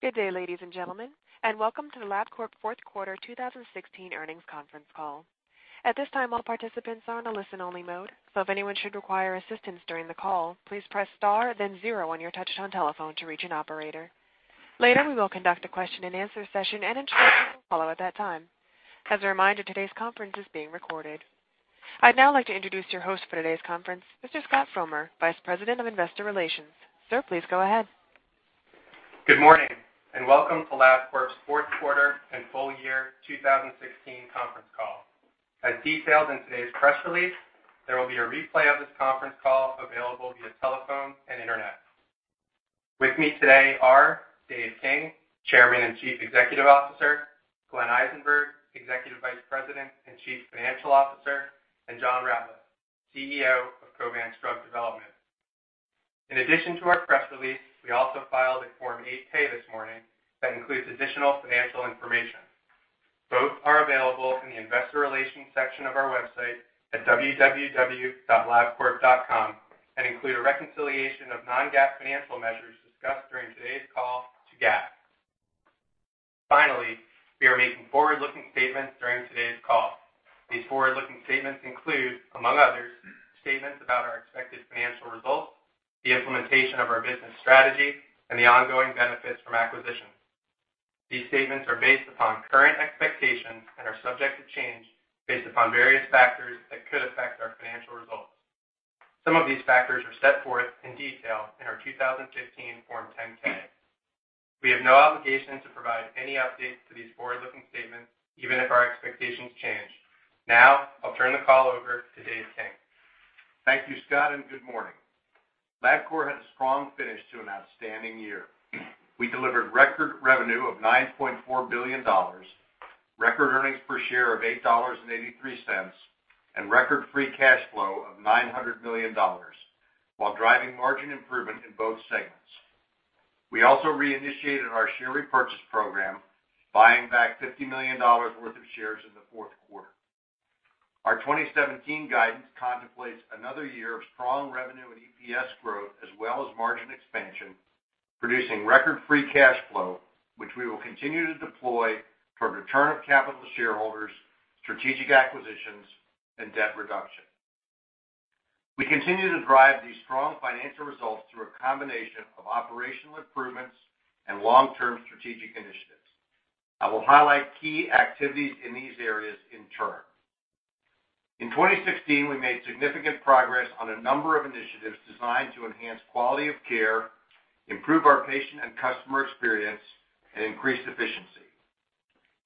Good day, ladies and gentlemen, and welcome to the Labcorp Fourth Quarter 2016 earnings conference call. At this time, all participants are on a listen-only mode, so if anyone should require assistance during the call, please press star then zero on your touch-tone telephone to reach an operator. Later, we will conduct a question-and-answer session, and instructions will follow at that time. As a reminder, today's conference is being recorded. I'd now like to introduce your host for today's conference, Mr. Scott Frommer, Vice President of Investor Relations. Sir, please go ahead. Good morning, and welcome to Labcorp's Fourth Quarter and Full Year 2016 Conference Call. As detailed in today's press release, there will be a replay of this conference call available via telephone and internet. With me today are Dave King, Chairman and Chief Executive Officer; Glenn Eisenberg, Executive Vice President and Chief Financial Officer; and John Ratliff CEO of Covance Drug Development. In addition to our press release, we also filed a Form 8-K this morning that includes additional financial information. Both are available in the Investor Relations section of our website at www.labcorp.com and include a reconciliation of non-GAAP financial measures discussed during today's call to GAAP. Finally, we are making forward-looking statements during today's call. These forward-looking statements include, among others, statements about our expected financial results, the implementation of our business strategy, and the ongoing benefits from acquisitions. These statements are based upon current expectations and are subject to change based upon various factors that could affect our financial results. Some of these factors are set forth in detail in our 2015 Form 10-K. We have no obligation to provide any updates to these forward-looking statements, even if our expectations change. Now, I'll turn the call over to Dave King. Thank you, Scott, and good morning. Labcorp had a strong finish to an outstanding year. We delivered record revenue of $9.4 billion, record earnings per share of $8.83, and record free cash flow of $900 million, while driving margin improvement in both segments. We also reinitiated our share repurchase program, buying back $50 million worth of shares in the fourth quarter. Our 2017 guidance contemplates another year of strong revenue and EPS growth, as well as margin expansion, producing record free cash flow, which we will continue to deploy for return of capital to shareholders, strategic acquisitions, and debt reduction. We continue to drive these strong financial results through a combination of operational improvements and long-term strategic initiatives. I will highlight key activities in these areas in turn. In 2016, we made significant progress on a number of initiatives designed to enhance quality of care, improve our patient and customer experience, and increase efficiency.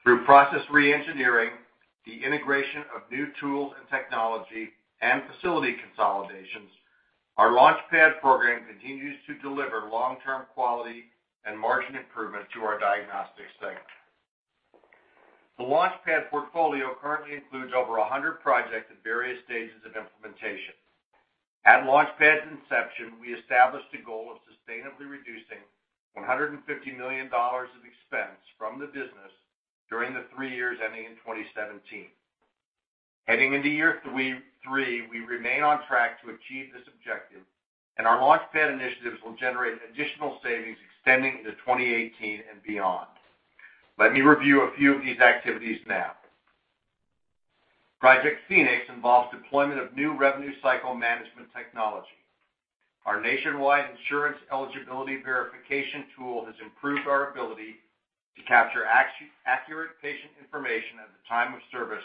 Through process re-engineering, the integration of new tools and technology, and facility consolidations, our Launch Pad program continues to deliver long-term quality and margin improvement to our diagnostic segment. The Launch Pad portfolio currently includes over 100 projects at various stages of implementation. At Launch Pad's inception, we established a goal of sustainably reducing $150 million of expense from the business during the three years ending in 2017. Heading into year three, we remain on track to achieve this objective, and our Launch Pad initiatives will generate additional savings extending into 2018 and beyond. Let me review a few of these activities now. Project Phoenix involves deployment of new revenue cycle management technology. Our nationwide insurance eligibility verification tool has improved our ability to capture accurate patient information at the time of service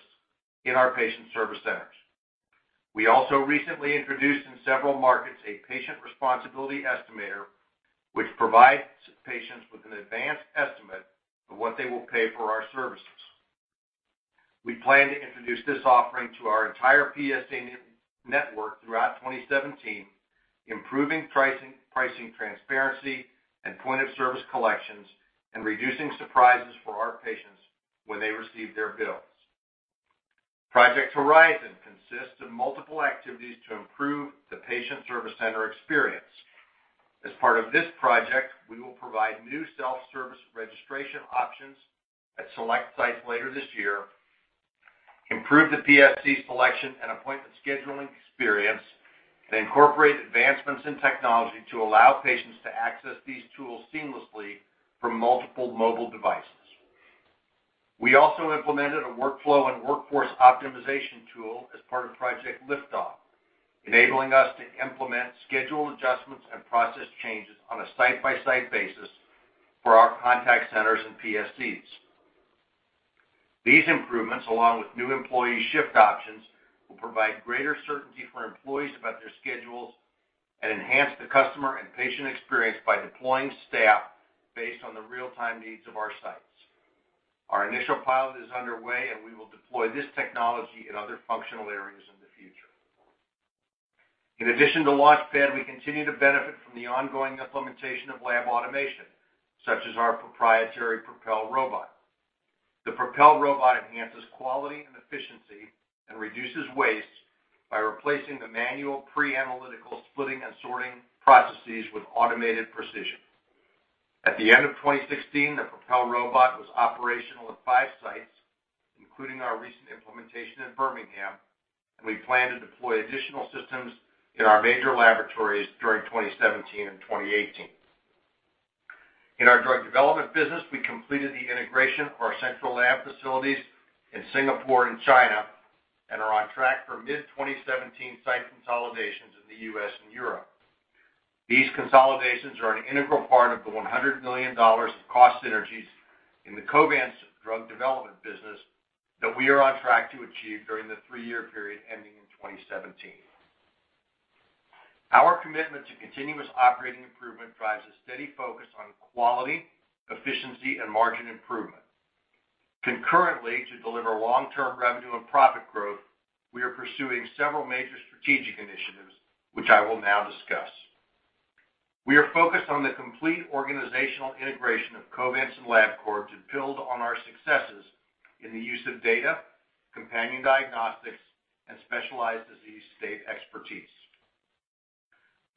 in our patient service centers. We also recently introduced in several markets a patient responsibility estimator, which provides patients with an advanced estimate of what they will pay for our services. We plan to introduce this offering to our entire PSC network throughout 2017, improving pricing transparency and point of service collections, and reducing surprises for our patients when they receive their bills. Project Horizon consists of multiple activities to improve the patient service center experience. As part of this project, we will provide new self-service registration options at select sites later this year, improve the PSC selection and appointment scheduling experience, and incorporate advancements in technology to allow patients to access these tools seamlessly from multiple mobile devices. We also implemented a workflow and workforce optimization tool as part of Project Lift-Off, enabling us to implement schedule adjustments and process changes on a site-by-site basis for our contact centers and PSCs. These improvements, along with new employee shift options, will provide greater certainty for employees about their schedules and enhance the customer and patient experience by deploying staff based on the real-time needs of our sites. Our initial pilot is underway, and we will deploy this technology in other functional areas in the future. In addition to Launch Pad, we continue to benefit from the ongoing implementation of lab automation, such as our proprietary Propel robot. The Propel robot enhances quality and efficiency and reduces waste by replacing the manual pre-analytical splitting and sorting processes with automated precision. At the end of 2016, the Propel robot was operational at five sites, including our recent implementation in Birmingham, and we plan to deploy additional systems in our major laboratories during 2017 and 2018. In our drug development business, we completed the integration of our central lab facilities in Singapore and China, and are on track for mid-2017 site consolidations in the U.S. and Europe. These consolidations are an integral part of the $100 million of cost synergies in the Covance drug development business that we are on track to achieve during the three-year period ending in 2017. Our commitment to continuous operating improvement drives a steady focus on quality, efficiency, and margin improvement. Concurrently, to deliver long-term revenue and profit growth, we are pursuing several major strategic initiatives, which I will now discuss. We are focused on the complete organizational integration of Covance and Labcorp to build on our successes in the use of data, companion diagnostics, and specialized disease state expertise.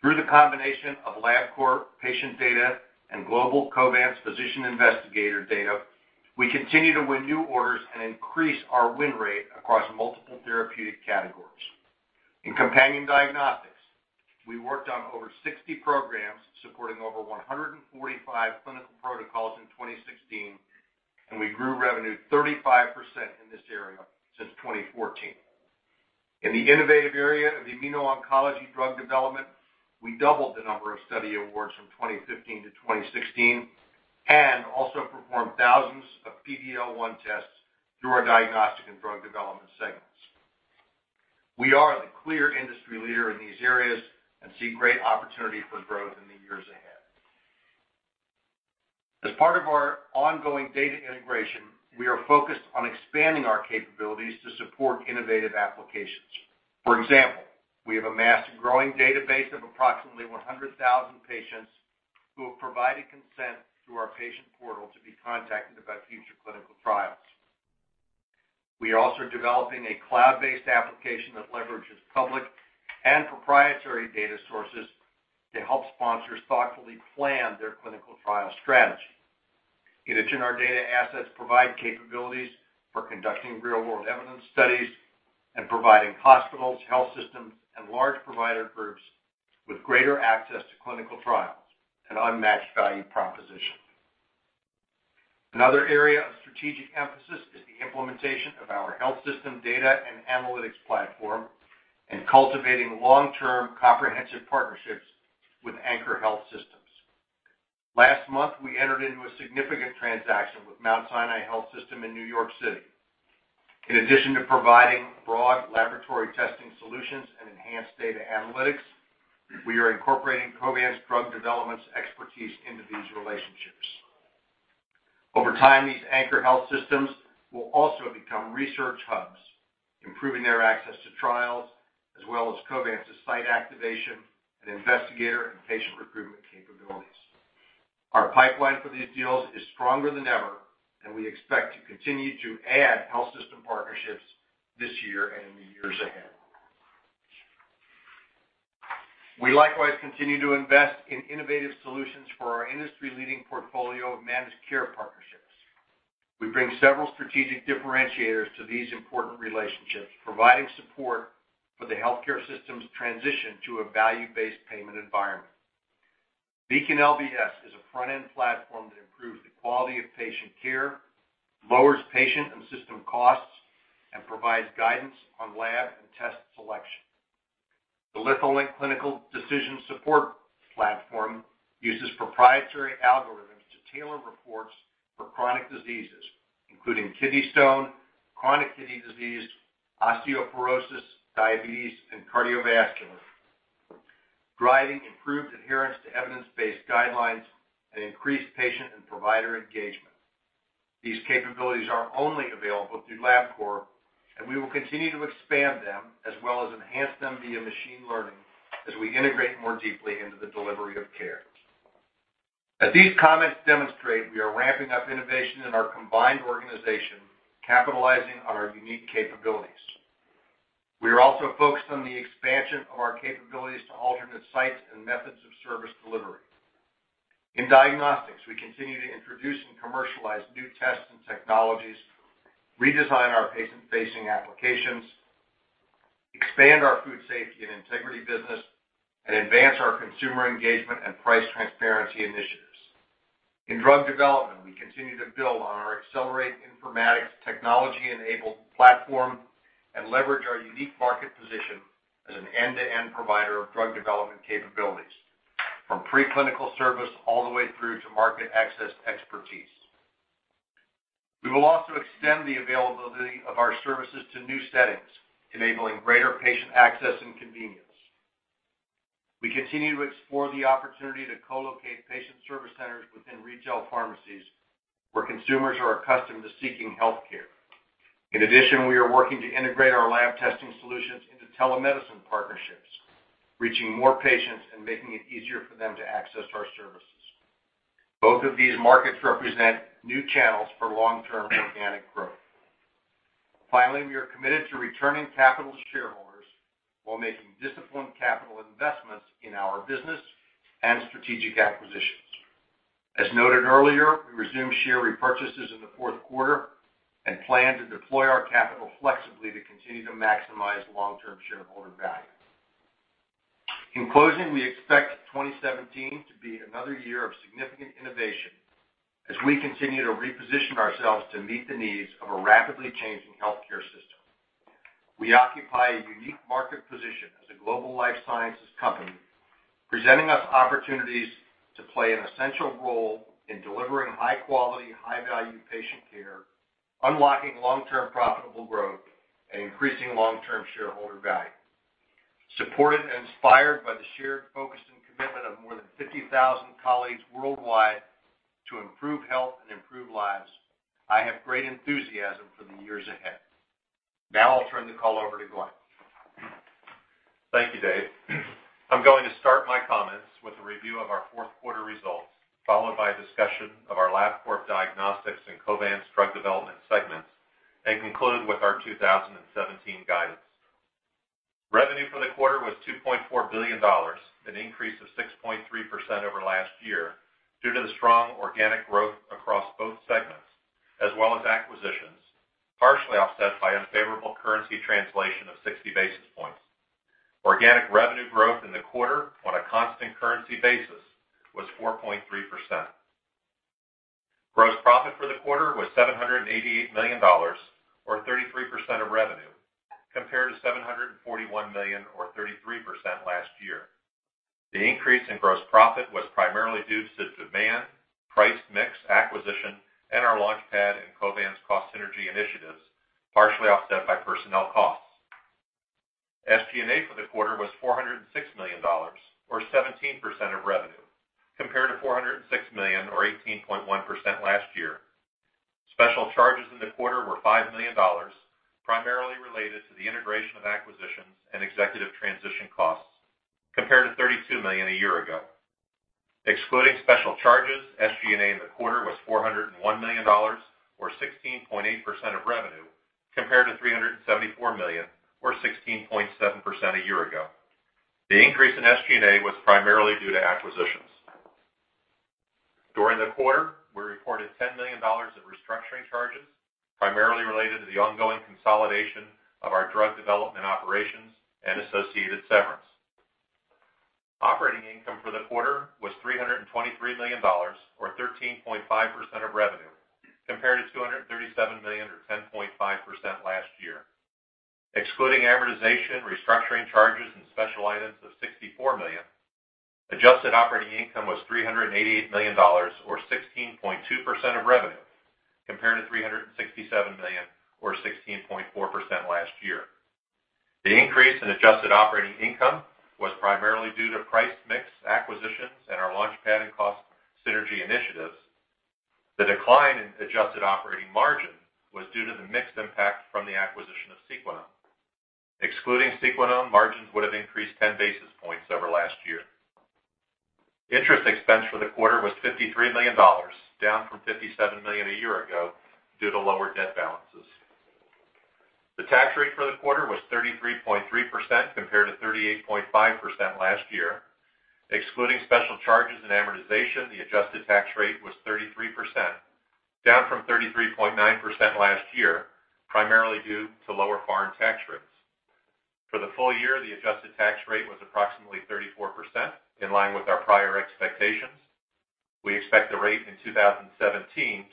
Through the combination of Labcorp patient data and global Covance physician investigator data, we continue to win new orders and increase our win rate across multiple therapeutic categories. In companion diagnostics, we worked on over 60 programs supporting over 145 clinical protocols in 2016, and we grew revenue 35% in this area since 2014. In the innovative area of immuno-oncology drug development, we doubled the number of study awards from 2015 to 2016 and also performed thousands of PD-L1 tests through our diagnostic and drug development segments. We are the clear industry leader in these areas and see great opportunity for growth in the years ahead. As part of our ongoing data integration, we are focused on expanding our capabilities to support innovative applications. For example, we have amassed a growing database of approximately 100,000 patients who have provided consent through our patient portal to be contacted about future clinical trials. We are also developing a cloud-based application that leverages public and proprietary data sources to help sponsors thoughtfully plan their clinical trial strategy. In addition, our data assets provide capabilities for conducting real-world evidence studies and providing hospitals, health systems, and large provider groups with greater access to clinical trials and unmatched value proposition. Another area of strategic emphasis is the implementation of our health system data and analytics platform and cultivating long-term comprehensive partnerships with Anchor Health Systems. Last month, we entered into a significant transaction with Mount Sinai Health System in New York City. In addition to providing broad laboratory testing solutions and enhanced data analytics, we are incorporating Covance's drug development expertise into these relationships. Over time, these anchor health systems will also become research hubs, improving their access to trials, as well as Covance's site activation and investigator and patient recruitment capabilities. Our pipeline for these deals is stronger than ever, and we expect to continue to add health system partnerships this year and in the years ahead. We likewise continue to invest in innovative solutions for our industry-leading portfolio of managed care partnerships. We bring several strategic differentiators to these important relationships, providing support for the healthcare system's transition to a value-based payment environment. Beacon LBS is a front-end platform that improves the quality of patient care, lowers patient and system costs, and provides guidance on lab and test selection. The Litholink Clinical Decision Support Platform uses proprietary algorithms to tailor reports for chronic diseases, including kidney stone, chronic kidney disease, osteoporosis, diabetes, and cardiovascular, driving improved adherence to evidence-based guidelines and increased patient and provider engagement. These capabilities are only available through Labcorp, and we will continue to expand them, as well as enhance them via machine learning, as we integrate more deeply into the delivery of care. As these comments demonstrate, we are ramping up innovation in our combined organization, capitalizing on our unique capabilities. We are also focused on the expansion of our capabilities to alternate sites and methods of service delivery. In diagnostics, we continue to introduce and commercialize new tests and technologies, redesign our patient-facing applications, expand our food safety and integrity business, and advance our consumer engagement and price transparency initiatives. In drug development, we continue to build on our accelerated informatics technology-enabled platform and leverage our unique market position as an end-to-end provider of drug development capabilities, from preclinical service all the way through to market-access expertise. We will also extend the availability of our services to new settings, enabling greater patient access and convenience. We continue to explore the opportunity to co-locate patient service centers within retail pharmacies where consumers are accustomed to seeking healthcare. In addition, we are working to integrate our lab testing solutions into telemedicine partnerships, reaching more patients and making it easier for them to access our services. Both of these markets represent new channels for long-term organic growth. Finally, we are committed to returning capital to shareholders while making disciplined capital investments in our business and strategic acquisitions. As noted earlier, we resumed share repurchases in the fourth quarter and plan to deploy our capital flexibly to continue to maximize long-term shareholder value. In closing, we expect 2017 to be another year of significant innovation as we continue to reposition ourselves to meet the needs of a rapidly changing healthcare system. We occupy a unique market position as a global life sciences company, presenting us opportunities to play an essential role in delivering high-quality, high-value patient care, unlocking long-term profitable growth, and increasing long-term shareholder value. Supported and inspired by the shared focus and commitment of more than 50,000 colleagues worldwide to improve health and improve lives, I have great enthusiasm for the years ahead. Now I'll turn the call over to Glenn. Thank you, Dave. I'm going to start my comments with a review of our Fourth Quarter results, followed by a discussion of our Labcorp Diagnostics and Covance's drug development segments, and conclude with our 2017 guidance. Revenue for the Quarter was $2.4 billion, an increase of 6.3% over last year due to the strong organic growth across both segments, as well as acquisitions, partially offset by unfavorable currency translation of 60 basis points. Organic revenue growth in the Quarter on a constant currency basis was 4.3%. Gross profit for the quarter was $788 million, or 33% of revenue, compared to $741 million, or 33% last year. The increase in gross profit was primarily due to demand, price mix acquisition, and our Launch Pad and Covance's cost synergy initiatives, partially offset by personnel costs. SG&A for the Quarter was $406 million, or 17% of revenue, compared to $406 million, or 18.1% last year. Special charges in the quarter were $5 million, primarily related to the integration of acquisitions and executive transition costs, compared to $32 million a year ago. Excluding special charges, SG&A in the quarter was $401 million, or 16.8% of revenue, compared to $374 million, or 16.7% a year ago. The increase in SG&A was primarily due to acquisitions. During the Quarter, we reported $10 million in restructuring charges, primarily related to the ongoing consolidation of our drug development operations and associated severance. Operating income for the Quarter was $323 million, or 13.5% of revenue, compared to $237 million, or 10.5% last year. Excluding amortization, restructuring charges, and special items of $64 million, adjusted operating income was $388 million, or 16.2% of revenue, compared to $367 million, or 16.4% last year. The increase in adjusted operating income was primarily due to price mix acquisitions and our Launch Pad and cost synergy initiatives. The decline in adjusted operating margin was due to the mixed impact from the acquisition of Sequenom. Excluding Sequenom, margins would have increased 10 basis points over last year. Interest expense for the Quarter was $53 million, down from $57 million a year ago due to lower debt balances. The tax rate for the Quarter was 33.3%, compared to 38.5% last year. Excluding special charges and amortization, the adjusted tax rate was 33%, down from 33.9% last year, primarily due to lower foreign tax rates. For the full year, the adjusted tax rate was approximately 34%, in line with our prior expectations. We expect the rate in 2017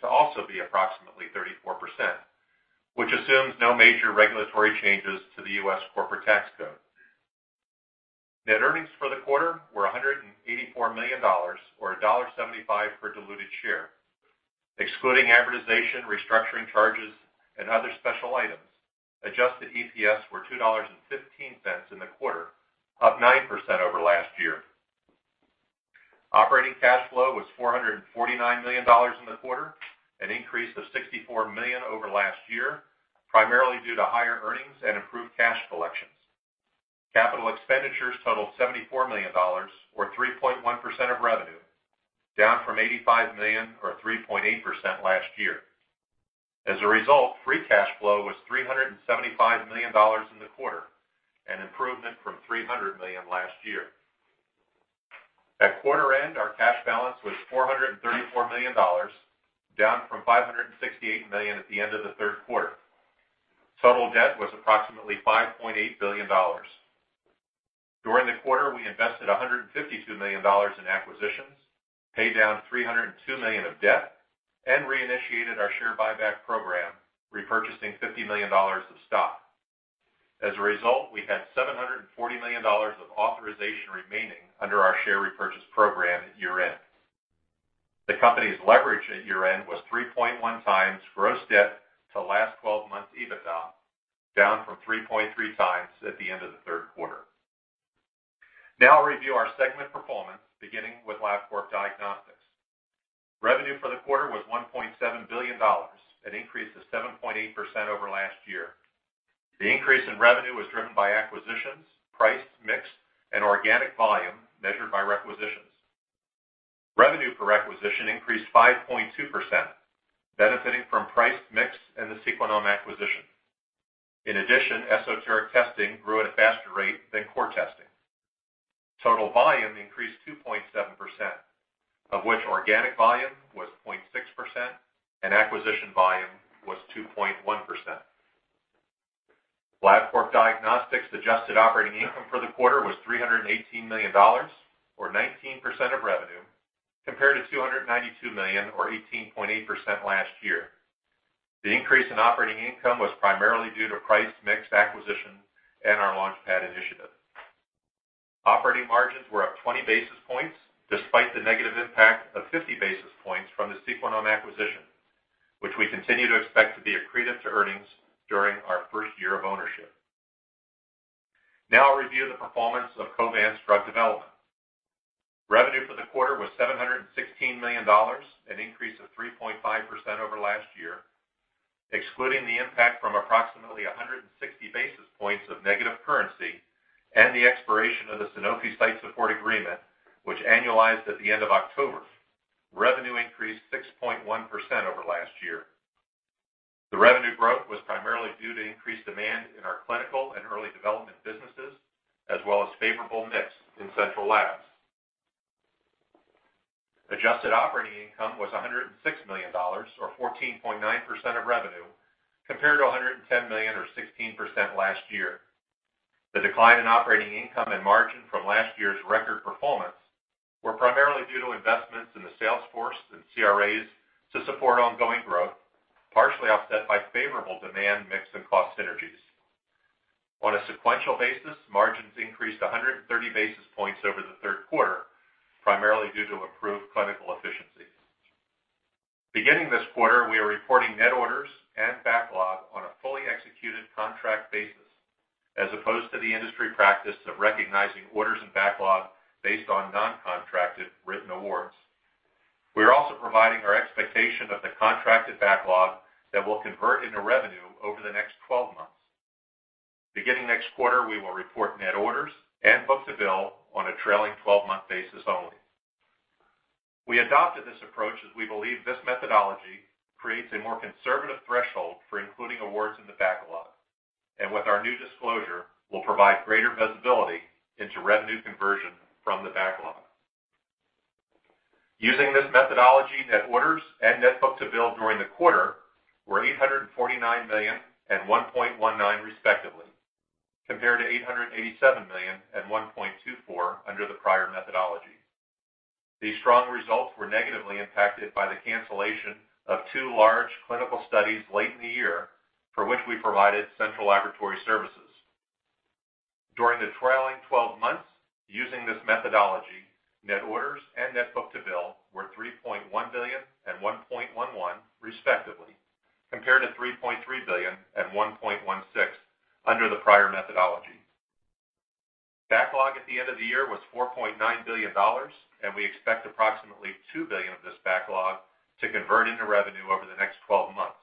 to also be approximately 34%, which assumes no major regulatory changes to the U.S. corporate tax code. Net earnings for the Quarter were $184 million, or $1.75 per diluted share. Excluding amortization, restructuring charges, and other special items, adjusted EPS were $2.15 in the quarter, up 9% over last year. Operating cash flow was $449 million in the Quarter, an increase of $64 million over last year, primarily due to higher earnings and improved cash collections. Capital expenditures totaled $74 million, or 3.1% of revenue, down from $85 million, or 3.8% last year. As a result, free cash flow was $375 million in the Quarter, an improvement from $300 million last year. At Quarter end, our cash balance was $434 million, down from $568 million at the end of the third quarter. Total debt was approximately $5.8 billion. During the Quarter, we invested $152 million in acquisitions, paid down $302 million of debt, and reinitiated our share buyback program, repurchasing $50 million of stock. As a result, we had $740 million of authorization remaining under our share repurchase program at year-end. The company's leverage at year-end was 3.1 times gross debt to last 12 months EBITDA, down from 3.3 times at the end of the Third Quarter. Now I'll review our segment performance, beginning with Labcorp Diagnostics. Revenue for the Quarter was $1.7 billion, an increase of 7.8% over last year. The increase in revenue was driven by acquisitions, price mix, and organic volume measured by requisitions. Revenue per requisition increased 5.2%, benefiting from price mix and the Sequenom acquisition. In addition, esoteric testing grew at a faster rate than core testing. Total volume increased 2.7%, of which organic volume was 0.6% and acquisition volume was 2.1%. Labcorp Diagnostics' adjusted operating income for the Quarter was $318 million, or 19% of revenue, compared to $292 million, or 18.8% last year. The increase in operating income was primarily due to price mix acquisition and our Launch Pad initiative. Operating margins were up 20 basis points despite the negative impact of 50 basis points from the Sequenom acquisition, which we continue to expect to be accretive to earnings during our first year of ownership. Now I'll review the performance of Covance drug development. Revenue for the Quarter was $716 million, an increase of 3.5% over last year, excluding the impact from approximately 160 basis points of negative currency and the expiration of the Sanofi site support agreement, which annualized at the end of October. Revenue increased 6.1% over last year. The revenue growth was primarily due to increased demand in our clinical and early development businesses, as well as favorable mix in central labs. Adjusted operating income was $106 million, or 14.9% of revenue, compared to $110 million, or 16% last year. The decline in operating income and margin from last year's record performance was primarily due to investments in the sales force and CRAs to support ongoing growth, partially offset by favorable demand mix and cost synergies. On a sequential basis, margins increased 130 basis points over the third quarter, primarily due to improved clinical efficiency. Beginning this Quarter, we are reporting net orders and backlog on a fully executed contract basis, as opposed to the industry practice of recognizing orders and backlog based on non-contracted written awards. We are also providing our expectation of the contracted backlog that will convert into revenue over the next 12 months. Beginning next Quarter, we will report net orders and book the bill on a trailing 12-month basis only. We adopted this approach as we believe this methodology creates a more conservative threshold for including awards in the backlog, and with our new disclosure, we'll provide greater visibility into revenue conversion from the backlog. Using this methodology, net orders and net book to bill during the quarter were $849 million and $1.19 respectively, compared to $887 million and $1.24 under the prior methodology. These strong results were negatively impacted by the cancellation of two large clinical studies late in the year, for which we provided central laboratory services. During the trailing 12 months, using this methodology, net orders and net book to bill were $3.1 billion and $1.11 respectively, compared to $3.3 billion and $1.16 under the prior methodology. Backlog at the end of the year was $4.9 billion, and we expect approximately $2 billion of this backlog to convert into revenue over the next 12 months.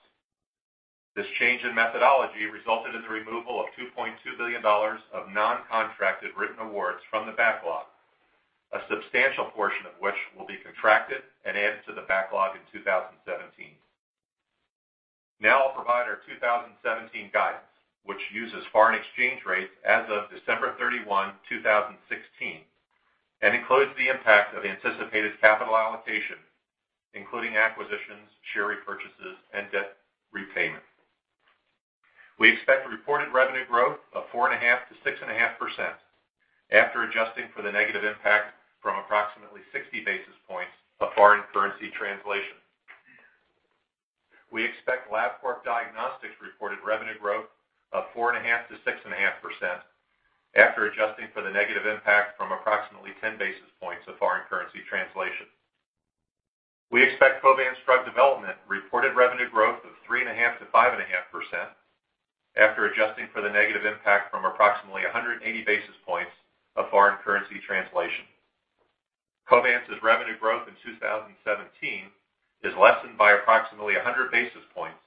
This change in methodology resulted in the removal of $2.2 billion of non-contracted written awards from the backlog, a substantial portion of which will be contracted and added to the backlog in 2017. Now I'll provide our 2017 guidance, which uses foreign exchange rates as of December 31, 2016, and includes the impact of anticipated capital allocation, including acquisitions, share repurchases, and debt repayment. We expect reported revenue growth of 4.5-6.5% after adjusting for the negative impact from approximately 60 basis points of foreign currency translation. We expect Labcorp Diagnostics' reported revenue growth of 4.5-6.5% after adjusting for the negative impact from approximately 10 basis points of foreign currency translation. We expect Covance's drug development reported revenue growth of 3.5-5.5% after adjusting for the negative impact from approximately 180 basis points of foreign currency translation. Covance's revenue growth in 2017 is lessened by approximately 100 basis points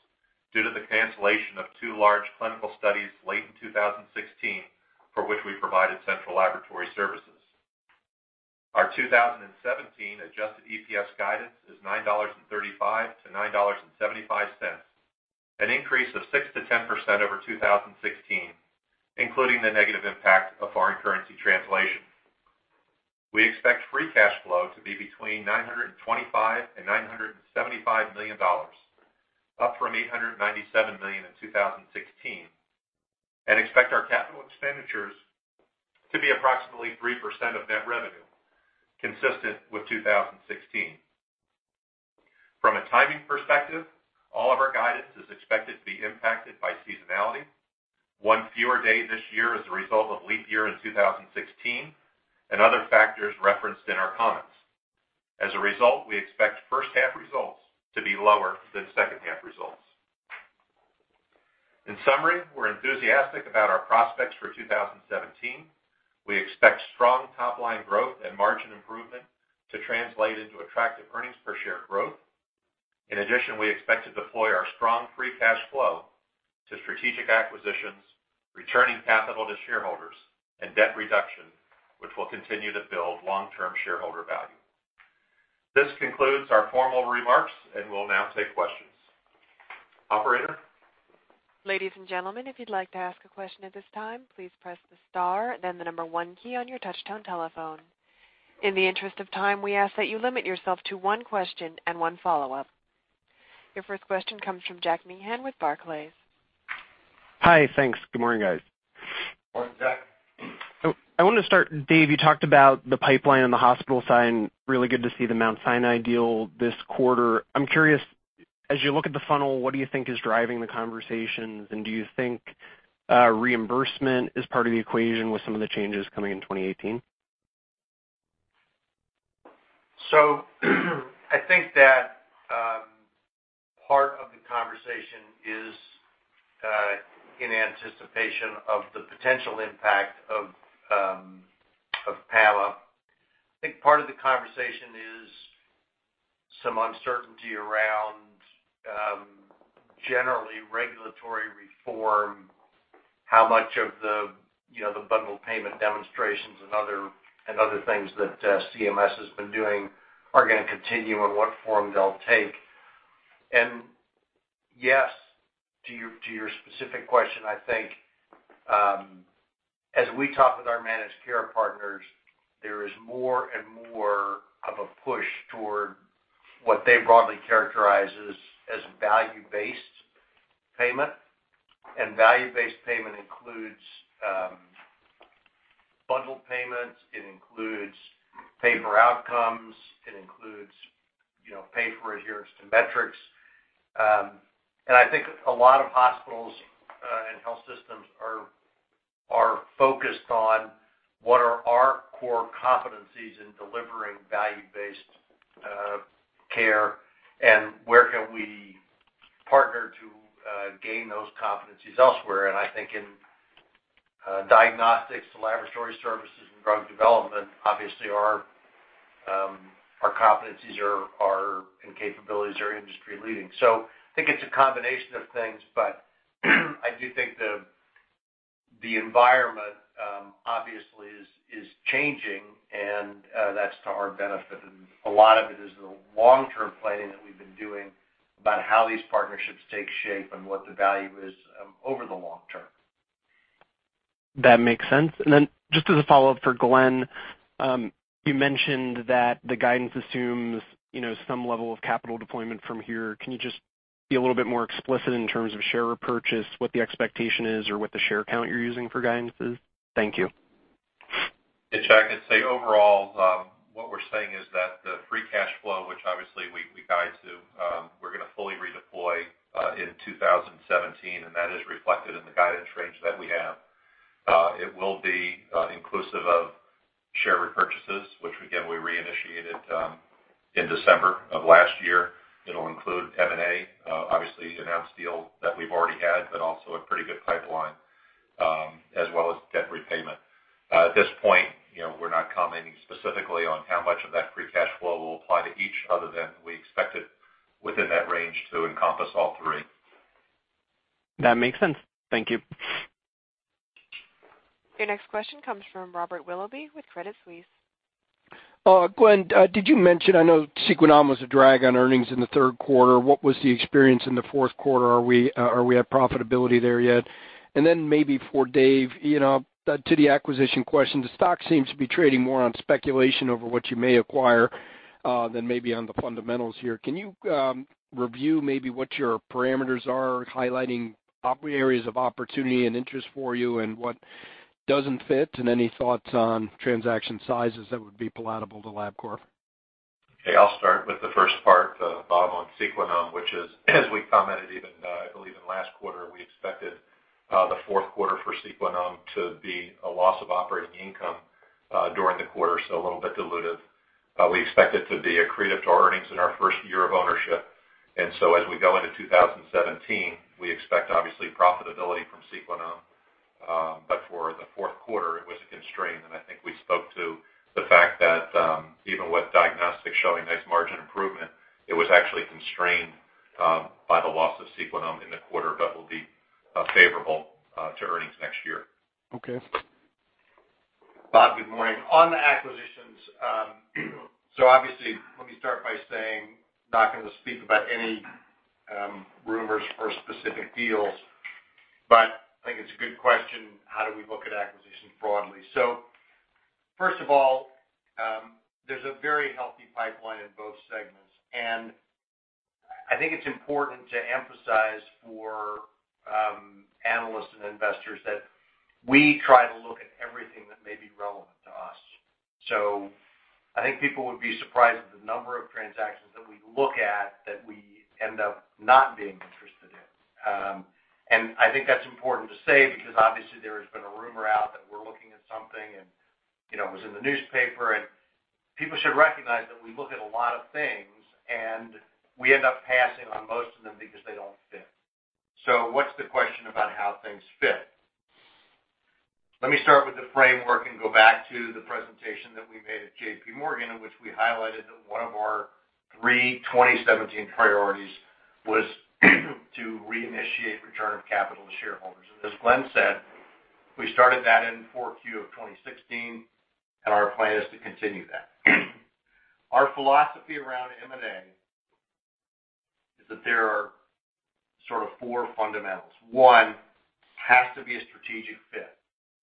due to the cancellation of two large clinical studies late in 2016, for which we provided central laboratory services. Our 2017 adjusted EPS guidance is $9.35-$9.75, an increase of 6%-10% over 2016, including the negative impact of foreign currency translation. We expect free cash flow to be between $925 million and $975 million, up from $897 million in 2016, and expect our capital expenditures to be approximately 3% of net revenue, consistent with 2016. From a timing perspective, all of our guidance is expected to be impacted by seasonality. One fewer day this year as a result of leap year in 2016 and other factors referenced in our comments. As a result, we expect first-half results to be lower than second-half results. In summary, we're enthusiastic about our prospects for 2017. We expect strong top-line growth and margin improvement to translate into attractive earnings per share growth. In addition, we expect to deploy our strong free cash flow to strategic acquisitions, returning capital to shareholders, and debt reduction, which will continue to build long-term shareholder value. This concludes our formal remarks, and we'll now take questions. Operator. Ladies and gentlemen, if you'd like to ask a question at this time, please press the star and then the number one key on your touch-tone telephone. In the interest of time, we ask that you limit yourself to one question and one follow-up. Your first question comes from Jack Meehan with Barclays. Hi, thanks. Good morning, guys. Morning, Jack. I wanted to start, Dave, you talked about the pipeline on the hospital side. Really good to see the Mount Sinai deal this Quarter. I'm curious, as you look at the funnel, what do you think is driving the conversations, and do you think reimbursement is part of the equation with some of the changes coming in 2018? I think that part of the conversation is in anticipation of the potential impact of PAMA. I think part of the conversation is some uncertainty around generally regulatory reform, how much of the bundled payment demonstrations and other things that CMS has been doing are going to continue and what form they'll take. Yes, to your specific question, I think as we talk with our managed care partners, there is more and more of a push toward what they broadly characterize as value-based payment. Value-based payment includes bundled payments. It includes paper outcomes. It includes pay for adherence to metrics. I think a lot of hospitals and health systems are focused on what are our core competencies in delivering value-based care and where can we partner to gain those competencies elsewhere. I think in diagnostics, laboratory services, and drug development, obviously our competencies and capabilities are industry-leading. I think it is a combination of things, but I do think the environment obviously is changing, and that is to our benefit. A lot of it is the long-term planning that we have been doing about how these partnerships take shape and what the value is over the long term. That makes sense. Just as a follow-up for Glenn, you mentioned that the guidance assumes some level of capital deployment from here. Can you just be a little bit more explicit in terms of share repurchase, what the expectation is, or what the share count you're using for guidance is? Thank you. Yeah, Jack, I'd say overall, what we're saying is that the free cash flow, which obviously we guide to, we're going to fully redeploy in 2017, and that is reflected in the guidance range that we have. It will be inclusive of share repurchases, which again, we reinitiated in December of last year. It'll include M&A, obviously announced deal that we've already had, but also a pretty good pipeline, as well as debt repayment. At this point, we're not commenting specifically on how much of that free cash flow will apply to each other than we expected within that range to encompass all three. That makes sense. Thank you. Your next question comes from Robert Willoughby with Credit Suisse. Glenn, did you mention I know Sequenom was a drag on earnings in the Third Quarter. What was the experience in the Fourth Quarter? Are we at profitability there yet? Maybe for Dave, to the acquisition question, the stock seems to be trading more on speculation over what you may acquire than maybe on the fundamentals here. Can you review maybe what your parameters are, highlighting areas of opportunity and interest for you and what does not fit, and any thoughts on transaction sizes that would be palatable to Labcorp? Okay, I'll start with the first part, Bob, on Sequenom, which is, as we commented even, I believe in last quarter, we expected the Fourth Quarter for Sequenom to be a loss of operating income during the Quarter, so a little bit dilutive. We expect it to be accretive to our earnings in our first year of ownership. As we go into 2017, we expect obviously profitability from Sequenom, but for the Fourth Quarter, it was a constraint. I think we spoke to the fact that even with diagnostics showing nice margin improvement, it was actually constrained by the loss of Sequenom in the quarter that will be favorable to earnings next year. Okay. Bob, good morning. On the acquisitions, obviously, let me start by saying not going to speak about any rumors or specific deals, Our philosophy around M&A is that there are sort of four fundamentals. One has to be a strategic fit.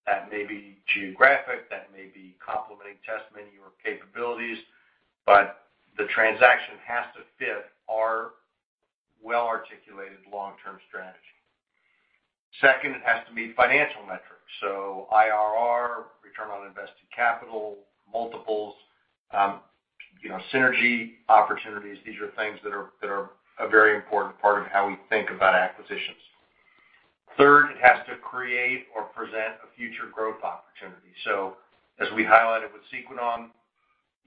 That may be geographic. That may be complementing testimony or capabilities, but the transaction has to fit our well-articulated long-term strategy. Second, it has to meet financial metrics. So IRR, return on invested capital, multiples, synergy opportunities, these are things that are a very important part of how we think about acquisitions. Third, it has to create or present a future growth opportunity. As we highlighted with Sequenom,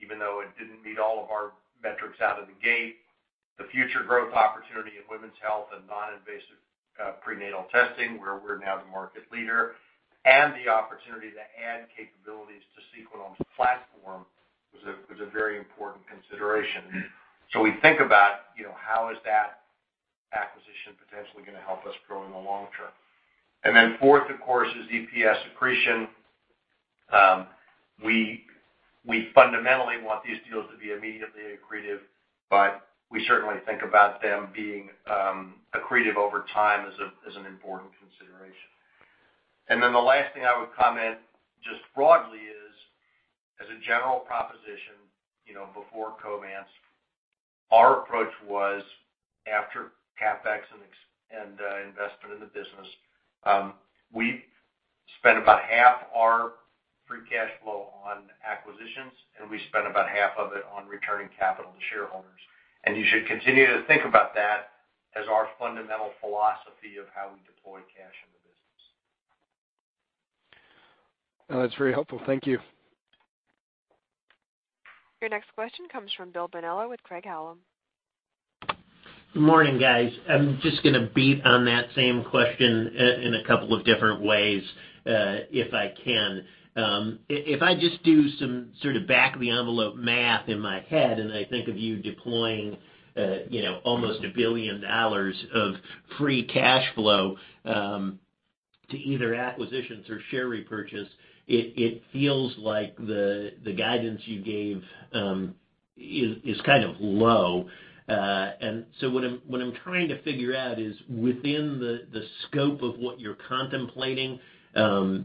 even though it did not meet all of our metrics out of the gate, the future growth opportunity in women's health and non-invasive prenatal testing, where we are now the market leader, and the opportunity to add capabilities to Sequenom's platform was a very important consideration. We think about how is that acquisition potentially going to help us grow in the long term. Then fourth, of course, is EPS accretion. We fundamentally want these deals to be immediately accretive, but we certainly think about them being accretive over time as an important consideration. The last thing I would comment just broadly is, as a general proposition before Covance, our approach was after CapEx and investment in the business, we spent about half our free cash flow on acquisitions, and we spent about half of it on returning capital to shareholders. You should continue to think about that as our fundamental philosophy of how we deploy cash in the business. That's very helpful. Thank you. Your next question comes from Bill Bonello with Craig Hallum. Good morning, guys. I'm just going to beat on that same question in a couple of different ways if I can. If I just do some sort of back-of-the-envelope math in my head and I think of you deploying almost $1 billion of free cash flow to either acquisitions or share repurchase, it feels like the guidance you gave is kind of low. What I'm trying to figure out is within the scope of what you're contemplating, do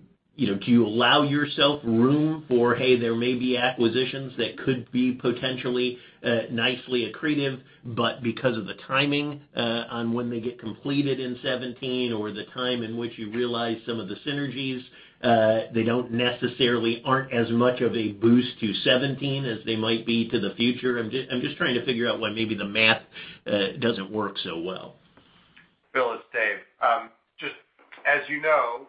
you allow yourself room for, hey, there may be acquisitions that could be potentially nicely accretive, but because of the timing on when they get completed in 2017 or the time in which you realize some of the synergies, they don't necessarily aren't as much of a boost to 2017 as they might be to the future? I'm just trying to figure out why maybe the math doesn't work so well. Bill, it's Dave. Just as you know,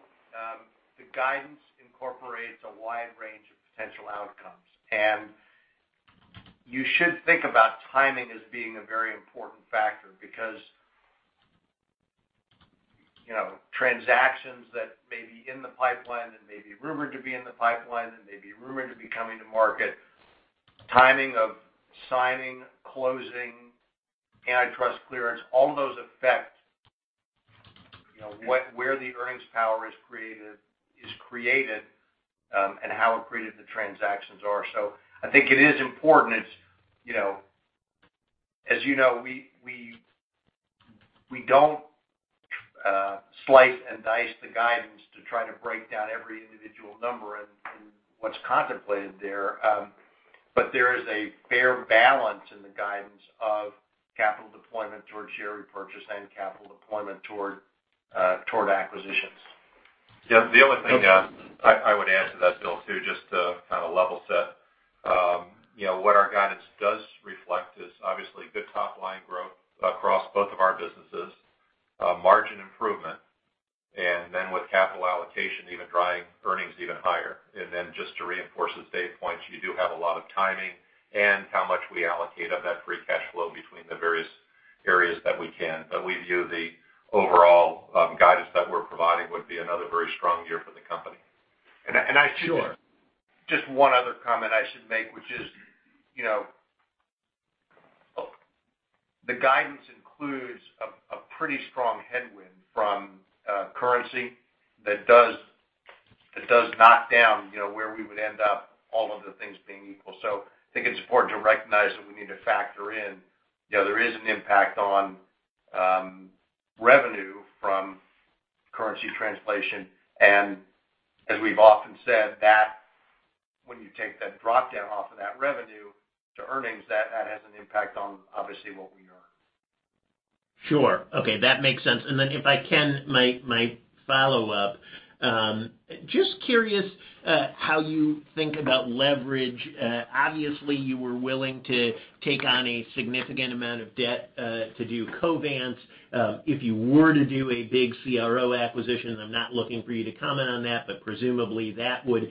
the guidance incorporates a wide range of potential outcomes, and you should think about timing as being a very important factor because transactions that may be in the pipeline and may be rumored to be in the pipeline and may be rumored to be coming to market, timing of signing, closing, antitrust clearance, all of those affect where the earnings power is created and how accretive the transactions are. I think it is important. As you know, we do not slice and dice the guidance to try to break down every individual number and what is contemplated there, but there is a fair balance in the guidance of capital deployment towards share repurchase and capital deployment toward acquisitions. Yeah, the only thing I would add to that, Bill, too, just to kind of level set, what our guidance does reflect is obviously good top-line growth across both of our businesses, margin improvement, and then with capital allocation, even driving earnings even higher. Just to reinforce his data points, you do have a lot of timing and how much we allocate of that free cash flow between the various areas that we can. We view the overall guidance that we're providing would be another very strong year for the company. I should just, one other comment I should make, which is the guidance includes a pretty strong headwind from currency that does knock down where we would end up, all of the things being equal. I think it's important to recognize that we need to factor in there is an impact on revenue from currency translation. And as we've often said, when you take that dropdown off of that revenue to earnings, that has an impact on obviously what we earn. Sure. Okay. That makes sense. If I can, my follow-up, just curious how you think about leverage. Obviously, you were willing to take on a significant amount of debt to do Covance. If you were to do a big CRO acquisition, I'm not looking for you to comment on that, but presumably that would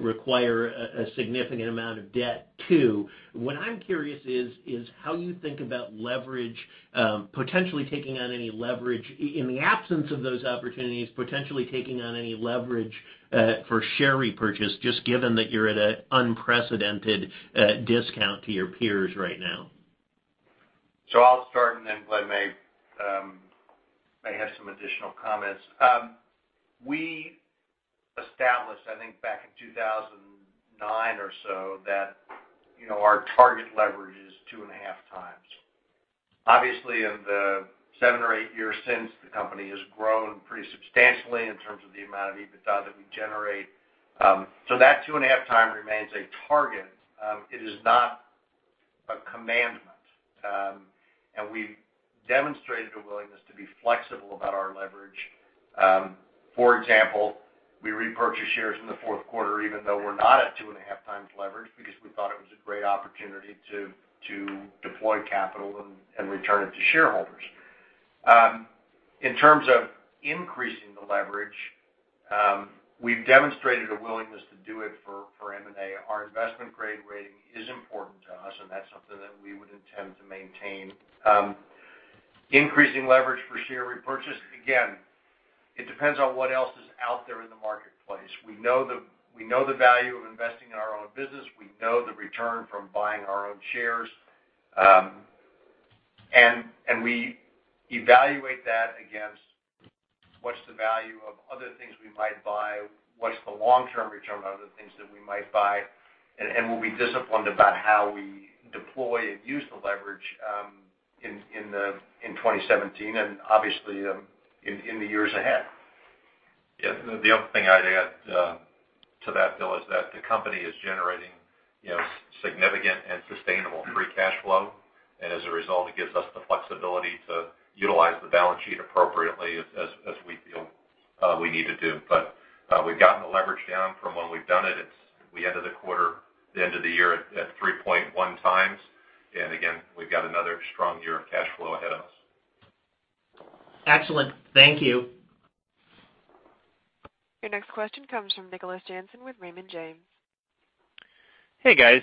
require a significant amount of debt too. What I'm curious is how you think about leverage, potentially taking on any leverage in the absence of those opportunities, potentially taking on any leverage for share repurchase, just given that you're at an unprecedented discount to your peers right now. I'll start, and then Glenn may have some additional comments. We established, I think back in 2009 or so, that our target leverage is two and a half times. Obviously, in the seven or eight years since, the company has grown pretty substantially in terms of the amount of EBITDA that we generate. That two and a half times remains a target. It is not a commandment. We've demonstrated a willingness to be flexible about our leverage. For example, we repurchased shares in the fourth quarter, even though we're not at two and a half times leverage because we thought it was a great opportunity to deploy capital and return it to shareholders. In terms of increasing the leverage, we've demonstrated a willingness to do it for M&A. Our investment grade rating is important to us, and that's something that we would intend to maintain. Increasing leverage for share repurchase, again, it depends on what else is out there in the marketplace. We know the value of investing in our own business. We know the return from buying our own shares. And we evaluate that against what's the value of other things we might buy, what's the long-term return on other things that we might buy, and we'll be disciplined about how we deploy and use the leverage in 2017 and obviously in the years ahead. Yeah. The other thing I'd add to that, Bill, is that the company is generating significant and sustainable free cash flow. As a result, it gives us the flexibility to utilize the balance sheet appropriately as we feel we need to do. We've gotten the leverage down from when we've done it. We ended the quarter, the end of the year at 3.1 times. Again, we've got another strong year of cash flow ahead of us. Excellent. Thank you. Your next question comes from Nicholas Jansen with Raymond James. Hey, guys.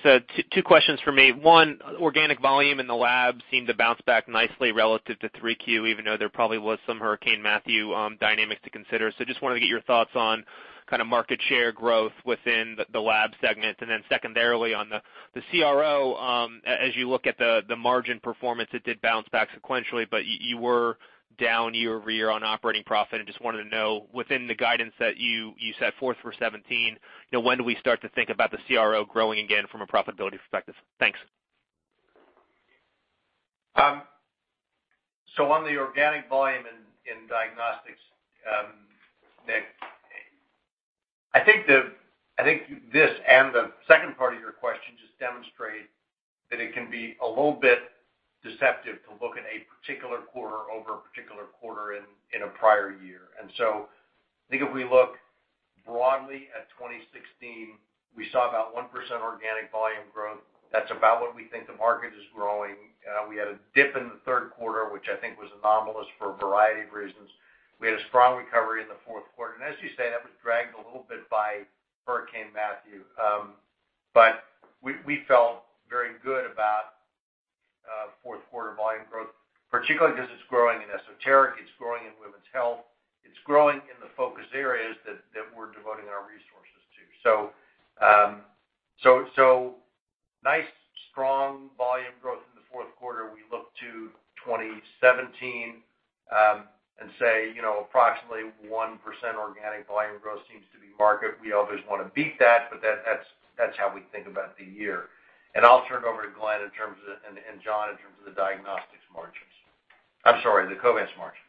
Two questions for me. One, organic volume in the lab seemed to bounce back nicely relative to three Q, even though there probably was some Hurricane Matthew dynamics to consider. Just wanted to get your thoughts on kind of market share growth within the lab segment. Then secondarily, on the CRO, as you look at the margin performance, it did bounce back sequentially, but you were down year over year on operating profit. I just wanted to know, within the guidance that you set forth for 2017, when do we start to think about the CRO growing again from a profitability perspective? Thanks. On the organic volume in diagnostics, I think this and the second part of your question just demonstrate that it can be a little bit deceptive to look at a particular quarter over a particular quarter in a prior year. I think if we look broadly at 2016, we saw about 1% organic volume growth. That's about what we think the market is growing. We had a dip in the third quarter, which I think was anomalous for a variety of reasons. We had a strong recovery in the fourth quarter. As you say, that was dragged a little bit by Hurricane Matthew. We felt very good about fourth quarter volume growth, particularly because it's growing in esoteric. It's growing in women's health. It's growing in the focus areas that we're devoting our resources to. Nice, strong volume growth in the fourth quarter. We look to 2017 and say approximately 1% organic volume growth seems to be market. We always want to beat that, but that's how we think about the year. I'll turn it over to Glenn and John in terms of the diagnostics margins. I'm sorry, the Covance margins.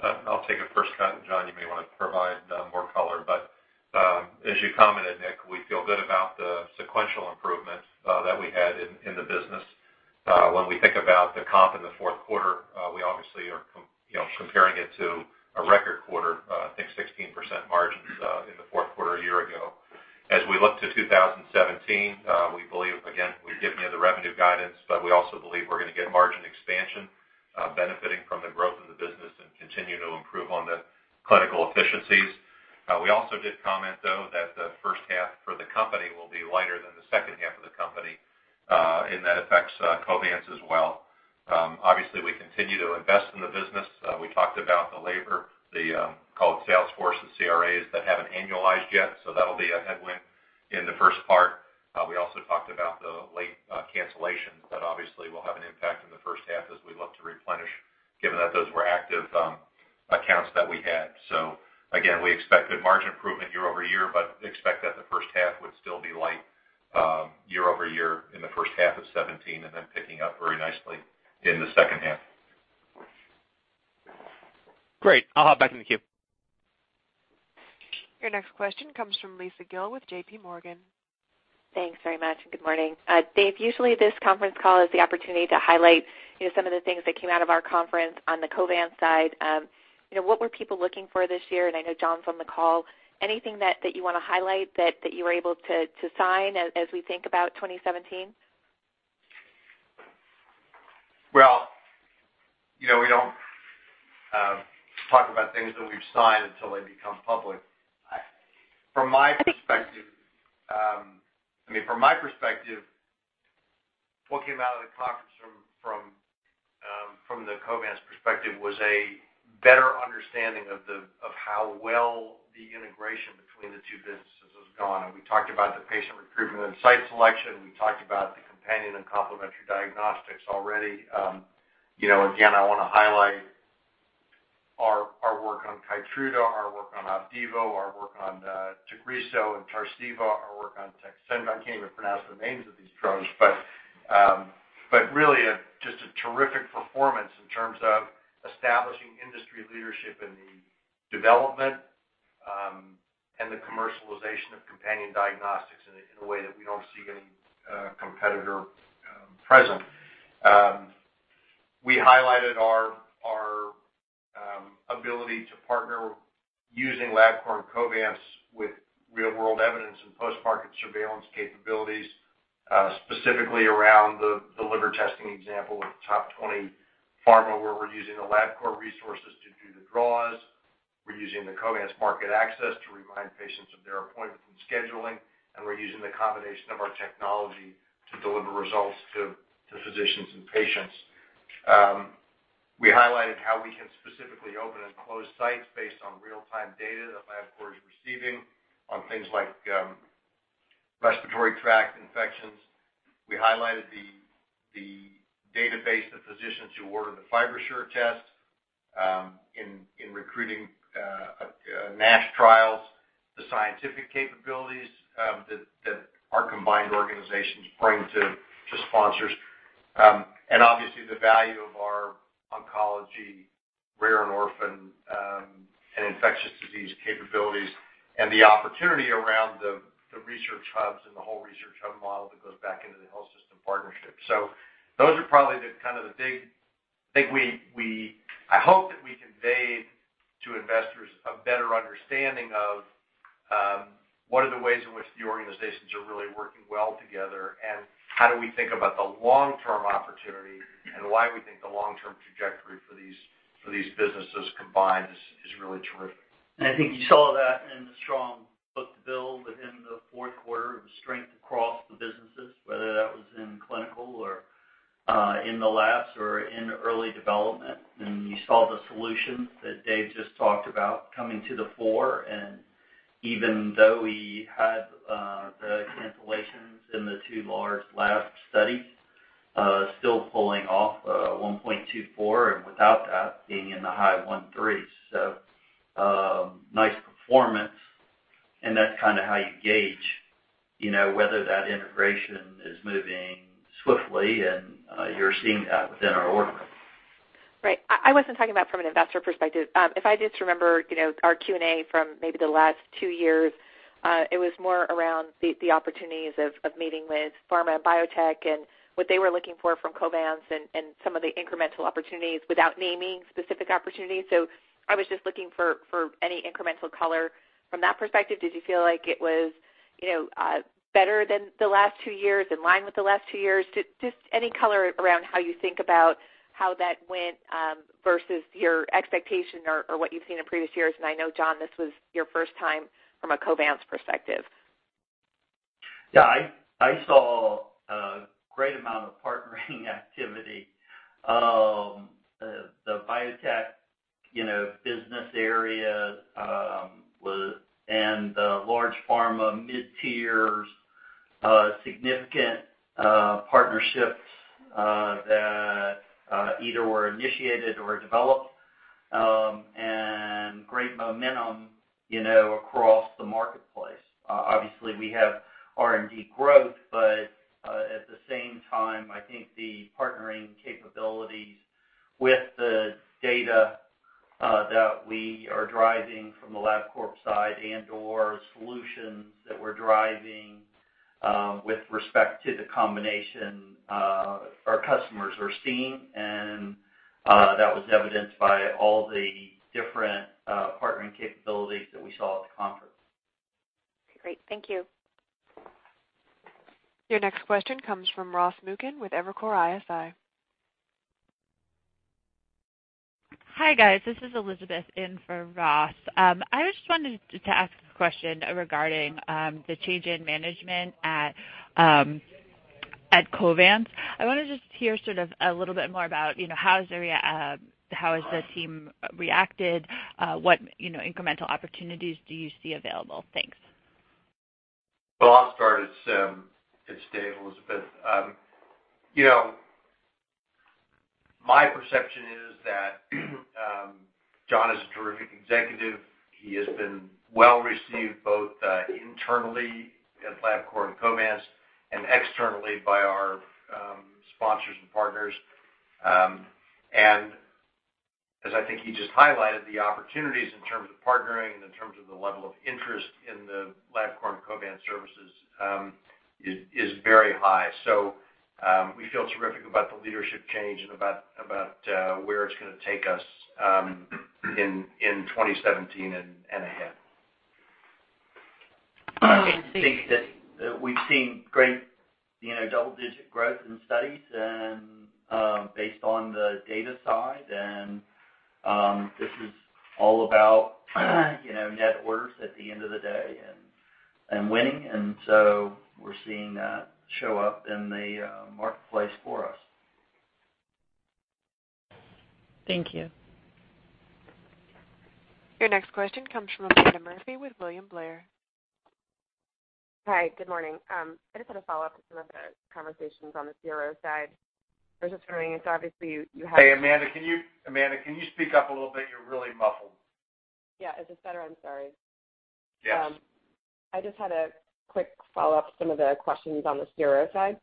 I'll take a first cut. John, you may want to provide more color. As you commented, Nick, we feel good about the sequential improvements that we had in the business. When we think about the comp in the fourth quarter, we obviously are comparing it to a record quarter, I think 16% margins in the fourth quarter a year ago. As we look to 2017, we believe, again, we've given you the revenue guidance, but we also believe we're going to get margin expansion benefiting from the growth in the business and continue to improve on the clinical efficiencies. We also did comment, though, that the first half for the company will be lighter than the second half of the company, and that affects Covance as well. Obviously, we continue to invest in the business. We talked about the labor, the called Salesforce, the CRAs that haven't annualized yet. That'll be a headwind in the first part. We also talked about the late cancellations that obviously will have an impact in the first half as we look to replenish, given that those were active accounts that we had. Again, we expect good margin improvement year over year, but expect that the first half would still be light year over year in the first half of 2017 and then picking up very nicely in the second half. Great. I'll hop back in the queue. Your next question comes from Lisa Gill with JPMorgan. Thanks very much. Good morning. Dave, usually this conference call is the opportunity to highlight some of the things that came out of our conference on the Covance side. What were people looking for this year? I know John's on the call. Anything that you want to highlight that you were able to sign as we think about 2017? We do not talk about things that we have signed until they become public. From my perspective, I mean, from my perspective, what came out of the conference from the Covance perspective was a better understanding of how well the integration between the two businesses has gone. We talked about the patient recruitment and site selection. We talked about the companion and complementary diagnostics already. Again, I want to highlight our work on Keytruda, our work on Opdivo, our work on Tecentriq and Tarceva, our work on Tecentriq. I cannot even pronounce the names of these drugs, but really just a terrific performance in terms of establishing industry leadership in the development and the commercialization of companion diagnostics in a way that we do not see any competitor present. We highlighted our ability to partner using Labcorp and Covance with real-world evidence and post-market surveillance capabilities, specifically around the liver testing example with Top 20 Pharma, where we're using the Labcorp resources to do the draws. We're using the Covance market access to remind patients of their appointment and scheduling. We're using the combination of our technology to deliver results to physicians and patients. We highlighted how we can specifically open and close sites based on real-time data that Labcorp is receiving on things like respiratory tract infections. We highlighted the database of physicians who order the FibroSure test in recruiting NASH trials, the scientific capabilities that our combined organizations bring to sponsors, and obviously the value of our oncology, rare and orphan, and infectious disease capabilities, and the opportunity around the research hubs and the whole research hub model that goes back into the health system partnership. Those are probably kind of the big things I hope that we conveyed to investors, a better understanding of what are the ways in which the organizations are really working well together, and how do we think about the long-term opportunity, and why we think the long-term trajectory for these businesses combined is really terrific. I think you saw that in the strong look to build within the Fourth Quarter of strength across the businesses, whether that was in clinical or in the labs or in early development. You saw the solutions that Dave just talked about coming to the fore. Even though we had the cancellations in the two large lab studies, still pulling off 1.24 and without that being in the high 1.3. Nice performance. That's kind of how you gauge whether that integration is moving swiftly, and you're seeing that within our order. Right. I wasn't talking about from an investor perspective. If I just remember our Q&A from maybe the last two years, it was more around the opportunities of meeting with pharma and biotech and what they were looking for from Covance and some of the incremental opportunities without naming specific opportunities. I was just looking for any incremental color from that perspective. Did you feel like it was better than the last two years, in line with the last two years? Just any color around how you think about how that went versus your expectation or what you've seen in previous years. I know, John, this was your first time from a Covance perspective. Yeah. I saw a great amount of partnering activity. The biotech business area and the large pharma, mid-tiers, significant partnerships that either were initiated or developed, and great momentum across the marketplace. Obviously, we have R&D growth, but at the same time, I think the partnering capabilities with the data that we are driving from the Labcorp side and/or solutions that we're driving with respect to the combination our customers are seeing. That was evidenced by all the different partnering capabilities that we saw at the conference. Great. Thank you. Your next question comes from Ross Mugin with Evercore ISI. Hi, guys. This is Elizabeth in for Ross. I just wanted to ask a question regarding the change in management at Covance. I wanted to just hear sort of a little bit more about how has the team reacted? What incremental opportunities do you see available? Thanks. I'll start at Dave, Elizabeth. My perception is that John is a terrific executive. He has been well received both internally at Labcorp and Covance and externally by our sponsors and partners. As I think he just highlighted, the opportunities in terms of partnering and in terms of the level of interest in the Labcorp and Covance services is very high. We feel terrific about the leadership change and about where it's going to take us in 2017 and ahead. I think that we've seen great double-digit growth in studies based on the data side. This is all about net orders at the end of the day and winning. We're seeing that show up in the marketplace for us. Thank you. Your next question comes from Amanda Murphy with William Blair. Hi. Good morning. I just had a follow-up to some of the conversations on the CRO side. I was just wondering, so obviously you had. Hey, Amanda, can you speak up a little bit? You're really muffled. Yeah. Is this better? I'm sorry. Yes. I just had a quick follow-up to some of the questions on the CRO side.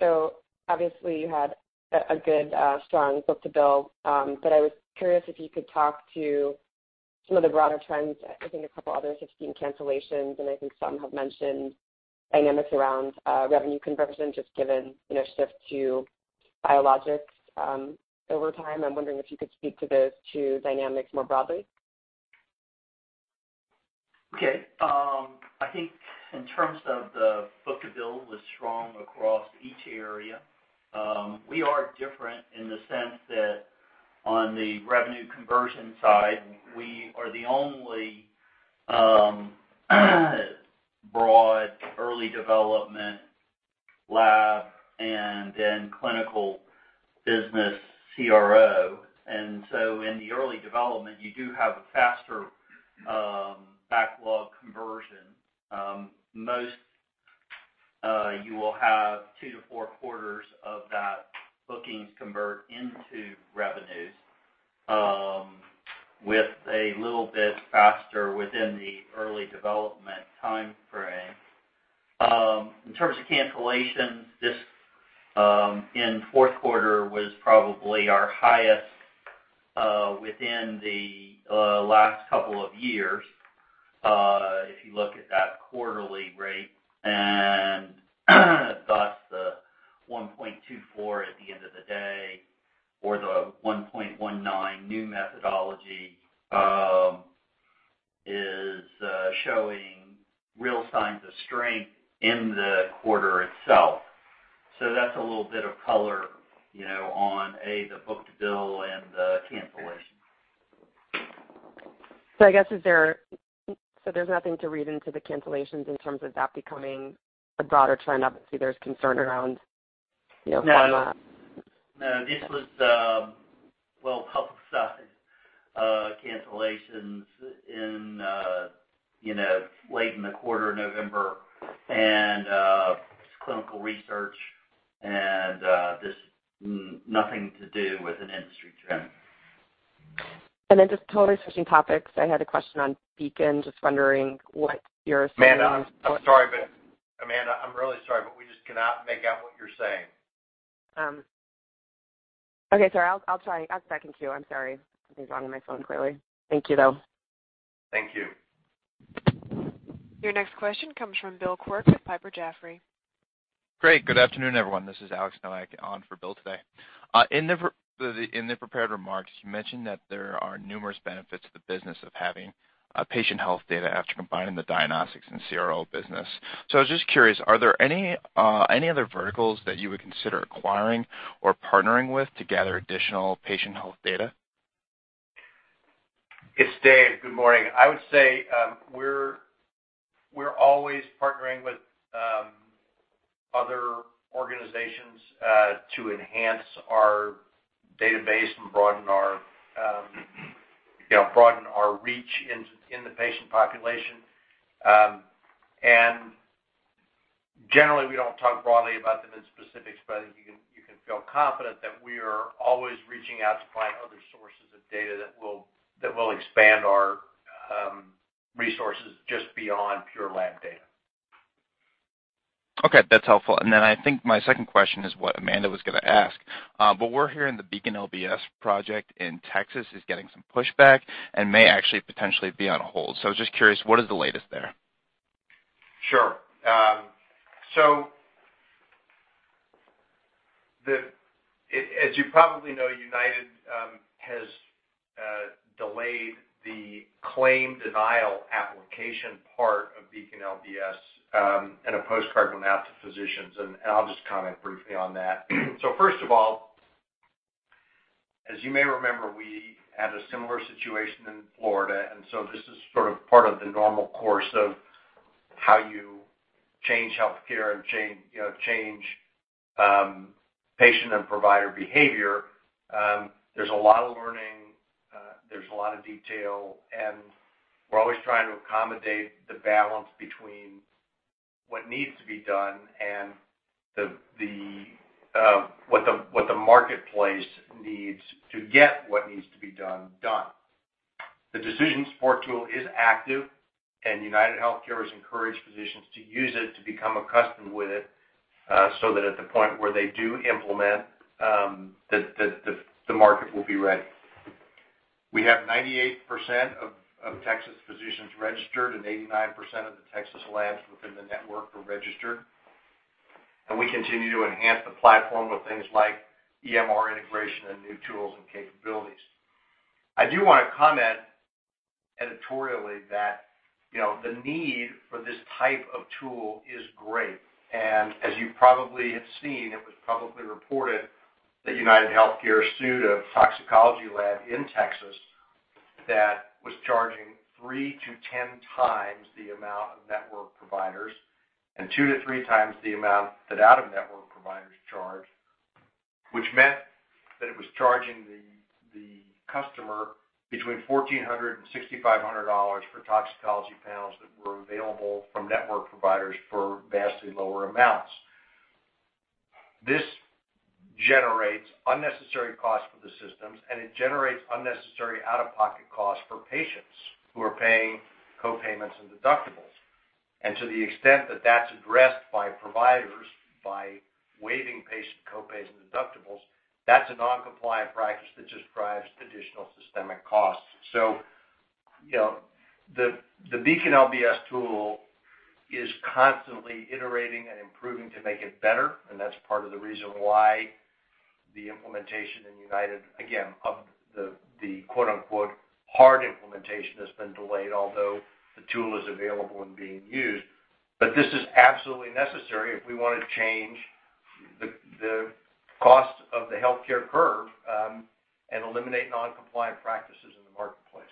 So obviously, you had a good, strong book to build. I was curious if you could talk to some of the broader trends. I think a couple others have seen cancellations, and I think some have mentioned dynamics around revenue conversion just given shift to biologics over time. I'm wondering if you could speak to those two dynamics more broadly. Okay. I think in terms of the book to build was strong across each area. We are different in the sense that on the revenue conversion side, we are the only broad early development lab and then clinical business CRO. In the early development, you do have a faster backlog conversion. Most, you will have two to four quarters of that bookings convert into revenues with a little bit faster within the early development time frame. In terms of cancellations, this in fourth quarter was probably our highest within the last couple of years if you look at that quarterly rate. Thus, the 1.24 at the end of the day or the 1.19 new methodology is showing real signs of strength in the quarter itself. That is a little bit of color on, A, the book to bill and the cancellation. I guess is there, so there is nothing to read into the cancellations in terms of that becoming a broader trend? Obviously, there is concern around pharma. No, no. This was, public-side cancellations in late in the quarter, November, and clinical research. This is nothing to do with an industry trend. Just totally switching topics, I had a question on Beacon. Just wondering what your— Amanda, I'm sorry, but Amanda, I'm really sorry, but we just cannot make out what you're saying. Okay. Sorry. I'll try. I'll check in queue. I'm sorry. Something's wrong with my phone, clearly. Thank you, though. Thank you. Your next question comes from Bill Quirk with Piper Jaffray. Great. Good afternoon, everyone. This is Alex Nowak on for Bill today. In the prepared remarks, you mentioned that there are numerous benefits to the business of having patient health data after combining the diagnostics and CRO business. I was just curious, are there any other verticals that you would consider acquiring or partnering with to gather additional patient health data? It's Dave. Good morning. I would say we're always partnering with other organizations to enhance our database and broaden our reach in the patient population. Generally, we don't talk broadly about them in specifics, but I think you can feel confident that we are always reaching out to find other sources of data that will expand our resources just beyond pure lab data. Okay. That's helpful. I think my second question is what Amanda was going to ask. We're hearing the Beacon LBS project in Texas is getting some pushback and may actually potentially be on hold. I was just curious, what is the latest there? Sure. As you probably know, United has delayed the claim denial application part of Beacon LBS and a postcard went out to physicians. I'll just comment briefly on that. First of all, as you may remember, we had a similar situation in Florida. This is sort of part of the normal course of how you change healthcare and change patient and provider behavior. There is a lot of learning. There is a lot of detail. We are always trying to accommodate the balance between what needs to be done and what the marketplace needs to get what needs to be done, done. The decision support tool is active, and UnitedHealthcare has encouraged physicians to use it, to become accustomed with it, so that at the point where they do implement, the market will be ready. We have 98% of Texas physicians registered, and 89% of the Texas labs within the network are registered. We continue to enhance the platform with things like EMR integration and new tools and capabilities. I do want to comment editorially that the need for this type of tool is great. As you probably have seen, it was publicly reported that UnitedHealthcare sued a toxicology lab in Texas that was charging 3-10 times the amount of network providers and 2-3 times the amount that out-of-network providers charged, which meant that it was charging the customer between $1,400 and $6,500 for toxicology panels that were available from network providers for vastly lower amounts. This generates unnecessary costs for the systems, and it generates unnecessary out-of-pocket costs for patients who are paying co-payments and deductibles. To the extent that that is addressed by providers by waiving patient co-pays and deductibles, that is a non-compliant practice that just drives additional systemic costs. The Beacon LBS tool is constantly iterating and improving to make it better. That's part of the reason why the implementation in United, again, of the "hard implementation" has been delayed, although the tool is available and being used. This is absolutely necessary if we want to change the cost of the healthcare curve and eliminate non-compliant practices in the marketplace.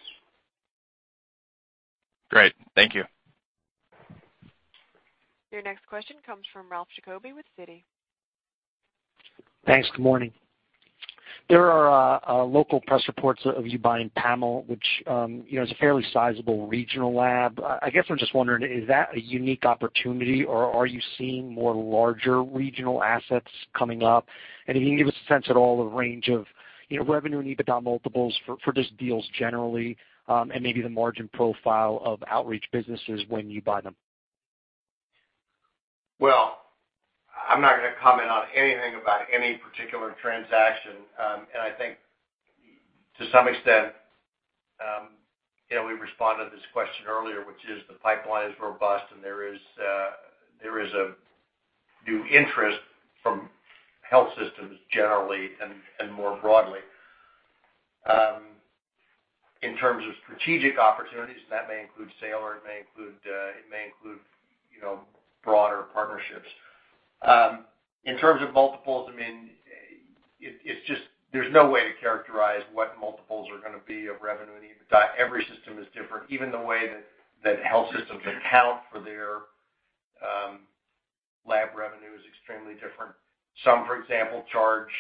Great. Thank you. Your next question comes from Ralph Jacob with Citi. Thanks. Good morning. There are local press reports of you buying Pamel, which is a fairly sizable regional lab. I guess I'm just wondering, is that a unique opportunity, or are you seeing more larger regional assets coming up? And if you can give us a sense at all of the range of revenue and EBITDA multiples for just deals generally and maybe the margin profile of outreach businesses when you buy them. I'm not going to comment on anything about any particular transaction. I think to some extent, we responded to this question earlier, which is the pipeline is robust, and there is a new interest from health systems generally and more broadly in terms of strategic opportunities. That may include sales, or it may include broader partnerships. In terms of multiples, I mean, there is no way to characterize what multiples are going to be of revenue. Every system is different. Even the way that health systems account for their lab revenue is extremely different. Some, for example, charge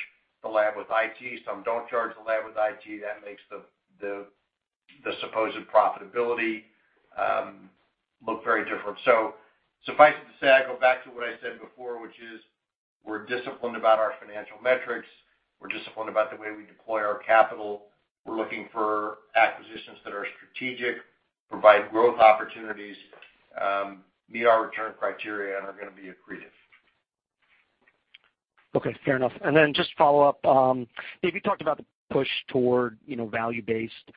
the lab with IT. Some do not charge the lab with IT. That makes the supposed profitability look very different. Suffice it to say, I go back to what I said before, which is we are disciplined about our financial metrics. We are disciplined about the way we deploy our capital. We're looking for acquisitions that are strategic, provide growth opportunities, meet our return criteria, and are going to be accretive. Okay. Fair enough. And then just follow-up. You talked about the push toward value-based.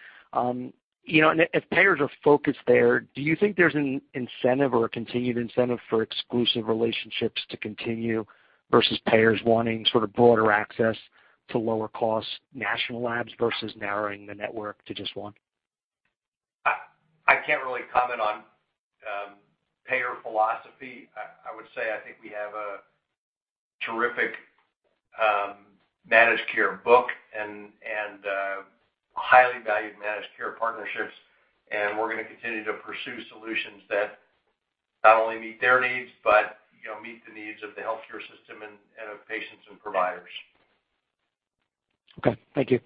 If payers are focused there, do you think there's an incentive or a continued incentive for exclusive relationships to continue versus payers wanting sort of broader access to lower-cost national labs versus narrowing the network to just one? I can't really comment on payer philosophy. I would say I think we have a terrific managed care book and highly valued managed care partnerships. And we're going to continue to pursue solutions that not only meet their needs but meet the needs of the healthcare system and of patients and providers. Okay. Thank you.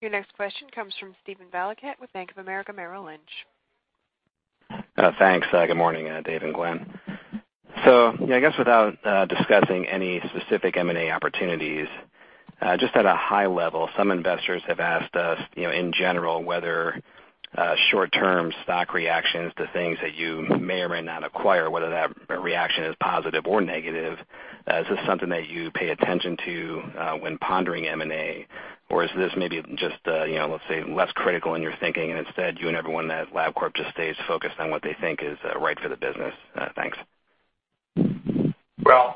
Your next question comes from Steven Valiquette with Bank of America, Merrill Lynch. Thanks. Good morning, Dave and Glenn. I guess without discussing any specific M&A opportunities, just at a high level, some investors have asked us, in general, whether short-term stock reactions to things that you may or may not acquire, whether that reaction is positive or negative, is this something that you pay attention to when pondering M&A, or is this maybe just, let's say, less critical in your thinking, and instead, you and everyone at Labcorp just stays focused on what they think is right for the business? Thanks. I have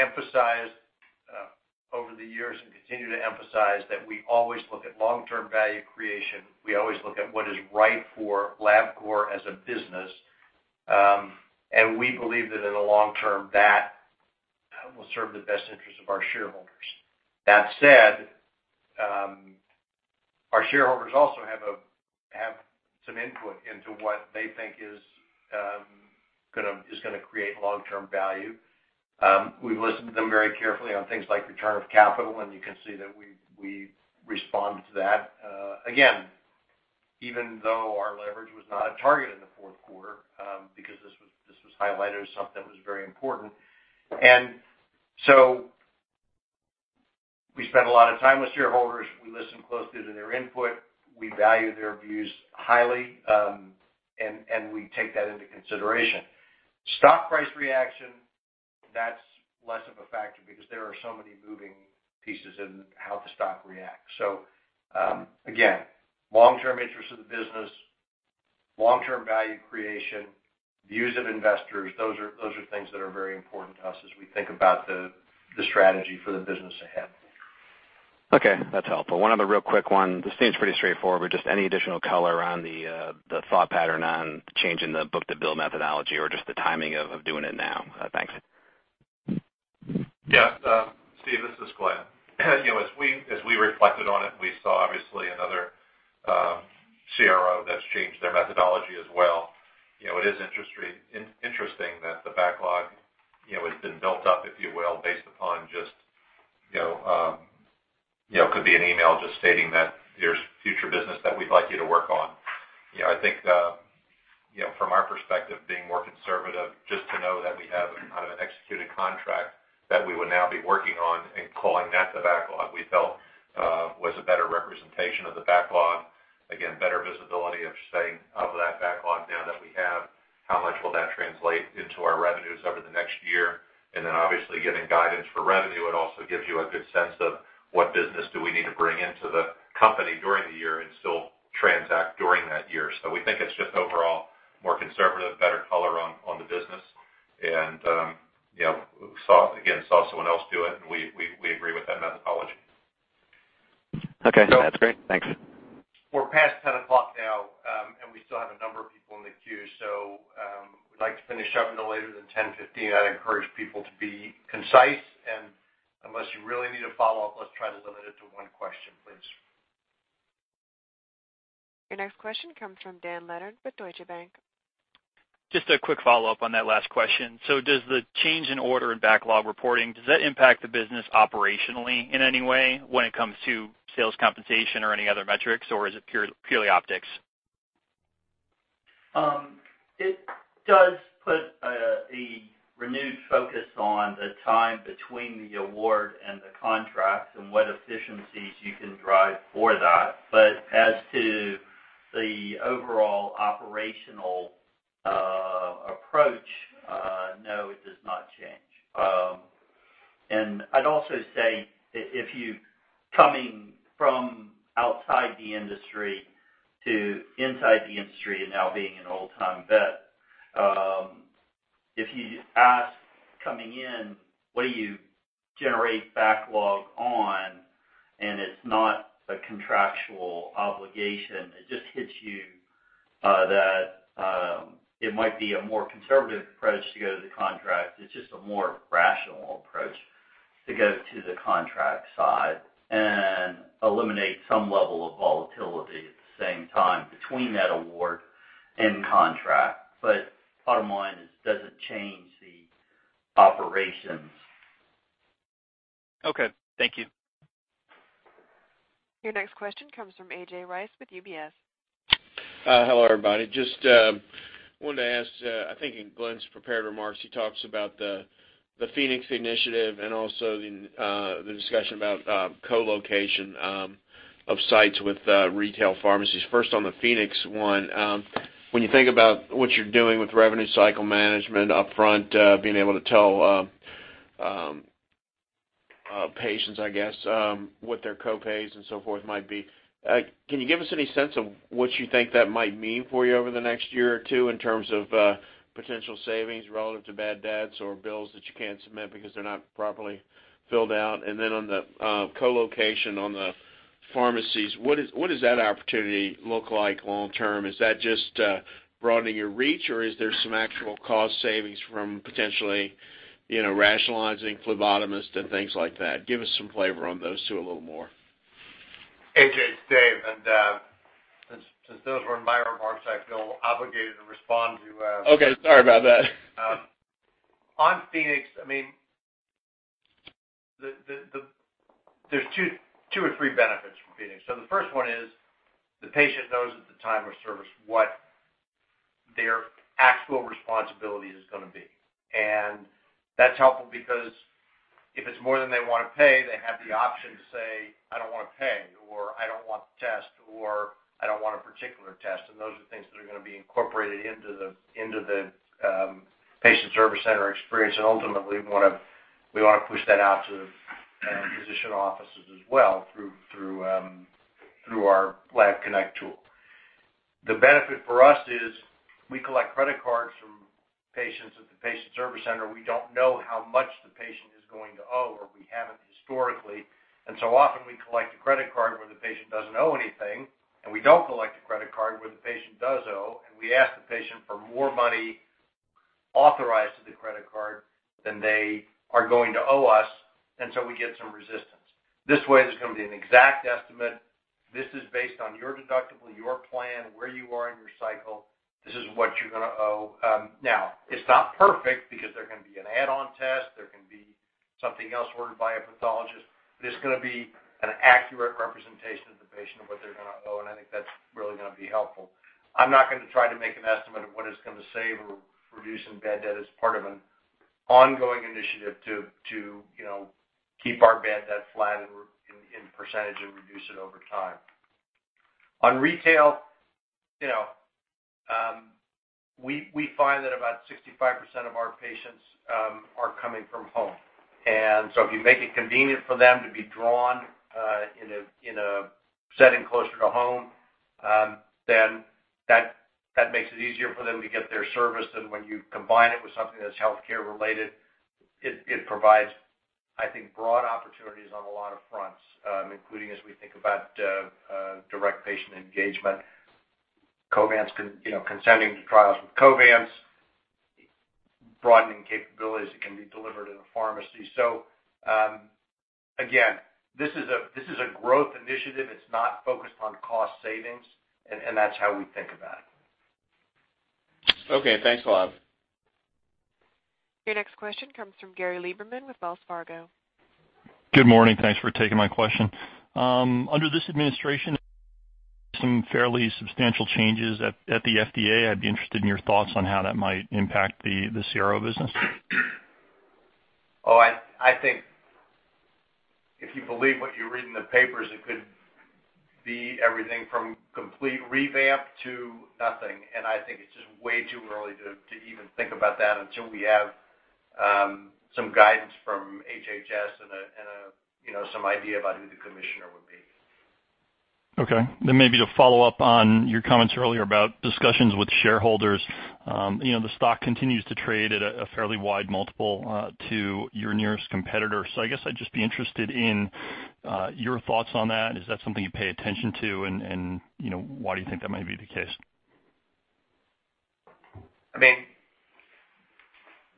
emphasized over the years and continue to emphasize that we always look at long-term value creation. We always look at what is right for Labcorp as a business. We believe that in the long term, that will serve the best interests of our shareholders. That said, our shareholders also have some input into what they think is going to create long-term value. We've listened to them very carefully on things like return of capital, and you can see that we respond to that. Again, even though our leverage was not at target in the fourth quarter because this was highlighted as something that was very important. We spent a lot of time with shareholders. We listened closely to their input. We value their views highly, and we take that into consideration. Stock price reaction, that's less of a factor because there are so many moving pieces in how the stock reacts. Long-term interests of the business, long-term value creation, views of investors, those are things that are very important to us as we think about the strategy for the business ahead. Okay. That's helpful. One other real quick one. This seems pretty straightforward, but just any additional color on the thought pattern on changing the book-to-bill methodology or just the timing of doing it now? Thanks. Yeah. Steve, this is Glenn. As we reflected on it, we saw, obviously, another CRO that's changed their methodology as well. It is interesting that the backlog has been built up, if you will, based upon just it could be an email just stating that there's future business that we'd like you to work on. I think from our perspective, being more conservative, just to know that we have kind of an executed contract that we would now be working on and calling that the backlog, we felt was a better representation of the backlog. Again, better visibility of saying of that backlog now that we have, how much will that translate into our revenues over the next year? Obviously, getting guidance for revenue, it also gives you a good sense of what business do we need to bring into the company during the year and still transact during that year. We think it is just overall more conservative, better color on the business. Again, saw someone else do it, and we agree with that methodology. Okay. That's great. Thanks. We're past 10:00 now, and we still have a number of people in the queue. We'd like to finish up no later than 10:15. I'd encourage people to be concise. Unless you really need a follow-up, let's try to limit it to one question, please. Your next question comes from Dan Keightley with Deutsche Bank. Just a quick follow-up on that last question. Does the change in order and backlog reporting, does that impact the business operationally in any way when it comes to sales compensation or any other metrics, or is it purely optics? It does put a renewed focus on the time between the award and the contract and what efficiencies you can drive for that. As to the overall operational approach, no, it does not change. I'd also say if you're coming from outside the industry to inside the industry and now being an old-time vet, if you ask coming in, "What do you generate backlog on?" and it's not a contractual obligation, it just hits you that it might be a more conservative approach to go to the contract. It's just a more rational approach to go to the contract side and eliminate some level of volatility at the same time between that award and contract. But bottom line is it doesn't change the operations. Okay. Thank you. Your next question comes from A.J. Rice with UBS. Hello, everybody. Just wanted to ask, I think in Glenn's prepared remarks, he talks about the Phoenix initiative and also the discussion about co-location of sites with retail pharmacies. First, on the Phoenix one, when you think about what you're doing with revenue cycle management upfront, being able to tell patients, I guess, what their co-pays and so forth might be, can you give us any sense of what you think that might mean for you over the next year or two in terms of potential savings relative to bad debts or bills that you can't submit because they're not properly filled out? And then on the co-location on the pharmacies, what does that opportunity look like long-term? Is that just broadening your reach, or is there some actual cost savings from potentially rationalizing phlebotomists and things like that? Give us some flavor on those two a little more. AJ, Dave, and since those weren't my remarks, I feel obligated to respond to. Okay. Sorry about that. On Phoenix, I mean, there's two or three benefits from Phoenix. The first one is the patient knows at the time of service what their actual responsibility is going to be. That's helpful because if it's more than they want to pay, they have the option to say, "I don't want to pay," or, "I don't want the test," or, "I don't want a particular test." Those are things that are going to be incorporated into the patient service center experience. Ultimately, we want to push that out to physician offices as well through our LabConnect tool. The benefit for us is we collect credit cards from patients at the patient service center. We do not know how much the patient is going to owe, or we have not historically. Often, we collect a credit card where the patient does not owe anything, and we do not collect a credit card where the patient does owe. We ask the patient for more money authorized to the credit card than they are going to owe us. We get some resistance. This way, there is going to be an exact estimate. This is based on your deductible, your plan, where you are in your cycle. This is what you are going to owe. Now, it is not perfect because there can be an add-on test. There can be something else ordered by a pathologist. It is going to be an accurate representation of the patient of what they are going to owe. I think that's really going to be helpful. I'm not going to try to make an estimate of what it's going to save or reduce in bad debt. It's part of an ongoing initiative to keep our bad debt flat in percentage and reduce it over time. On retail, we find that about 65% of our patients are coming from home. If you make it convenient for them to be drawn in a setting closer to home, that makes it easier for them to get their service. When you combine it with something that's healthcare-related, it provides, I think, broad opportunities on a lot of fronts, including as we think about direct patient engagement, consenting to trials with Covance, broadening capabilities that can be delivered in a pharmacy. This is a growth initiative. It's not focused on cost savings, and that's how we think about it. Okay. Thanks a lot. Your next question comes from Gary Liberman with Wells Fargo. Good morning. Thanks for taking my question. Under this administration, some fairly substantial changes at the FDA. I'd be interested in your thoughts on how that might impact the CRO business. Oh, I think if you believe what you read in the papers, it could be everything from complete revamp to nothing. I think it's just way too early to even think about that until we have some guidance from HHS and some idea about who the commissioner would be. Okay. Maybe to follow up on your comments earlier about discussions with shareholders, the stock continues to trade at a fairly wide multiple to your nearest competitor. I guess I'd just be interested in your thoughts on that. Is that something you pay attention to, and why do you think that might be the case? I mean,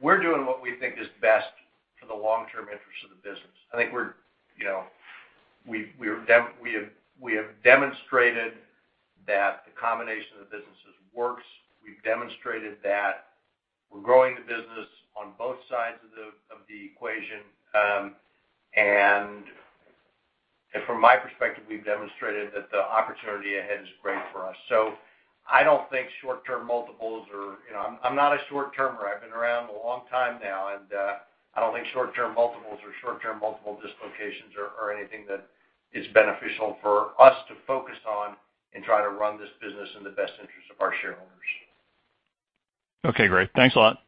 we're doing what we think is best for the long-term interests of the business. I think we have demonstrated that the combination of the businesses works. We've demonstrated that we're growing the business on both sides of the equation. From my perspective, we've demonstrated that the opportunity ahead is great for us. I don't think short-term multiples are—I'm not a short-termer. I've been around a long time now. I don't think short-term multiples or short-term multiple dislocations are anything that is beneficial for us to focus on and try to run this business in the best interest of our shareholders. Okay. Great. Thanks a lot.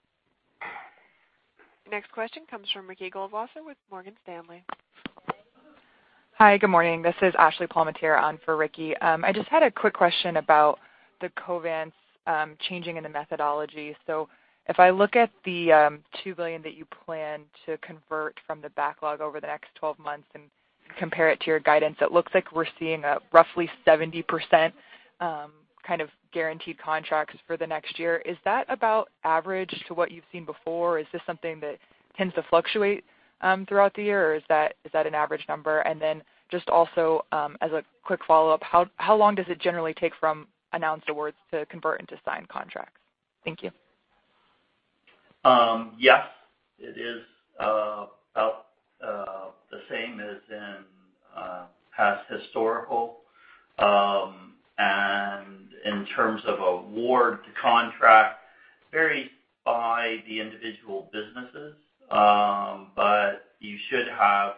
Next question comes from Ricky Goldwasser with Morgan Stanley. Hi. Good morning. This is Ashley Palmeer on for Ricky. I just had a quick question about the Covance changing in the methodology. If I look at the $2 billion that you plan to convert from the backlog over the next 12 months and compare it to your guidance, it looks like we're seeing a roughly 70% kind of guaranteed contracts for the next year. Is that about average to what you've seen before? Is this something that tends to fluctuate throughout the year, or is that an average number? Also, as a quick follow-up, how long does it generally take from announced awards to convert into signed contracts? Thank you. Yes. It is about the same as in past historical. In terms of award to contract, vary by the individual businesses. You should have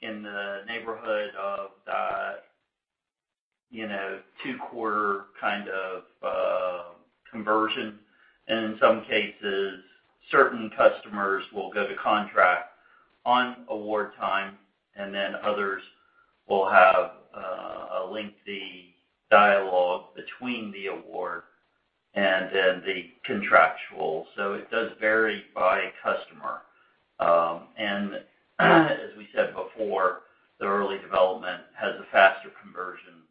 in the neighborhood of that two-quarter kind of conversion. In some cases, certain customers will go to contract on award time, and then others will have a lengthy dialogue between the award and then the contractual. It does vary by customer. As we said before, the early development has a faster conversion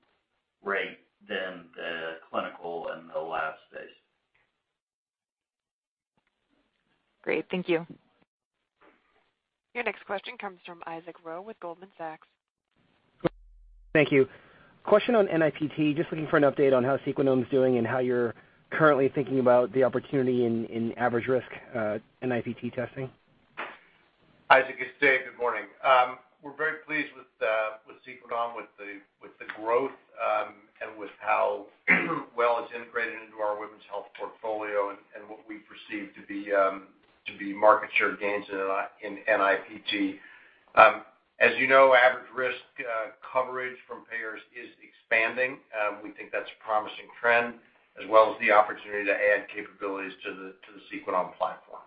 rate than the clinical and the lab space. Great. Thank you. Your next question comes from Isaac Ro with Goldman Sachs. Thank you. Question on NIPT. Just looking for an update on how Sequenom's doing and how you're currently thinking about the opportunity in average risk NIPT testing. Isaac, it's Dave. Good morning. We're very pleased with Sequenom, with the growth and with how well it's integrated into our women's health portfolio and what we perceive to be market share gains in NIPT. As you know, average risk coverage from payers is expanding. We think that's a promising trend as well as the opportunity to add capabilities to the Sequenom platform.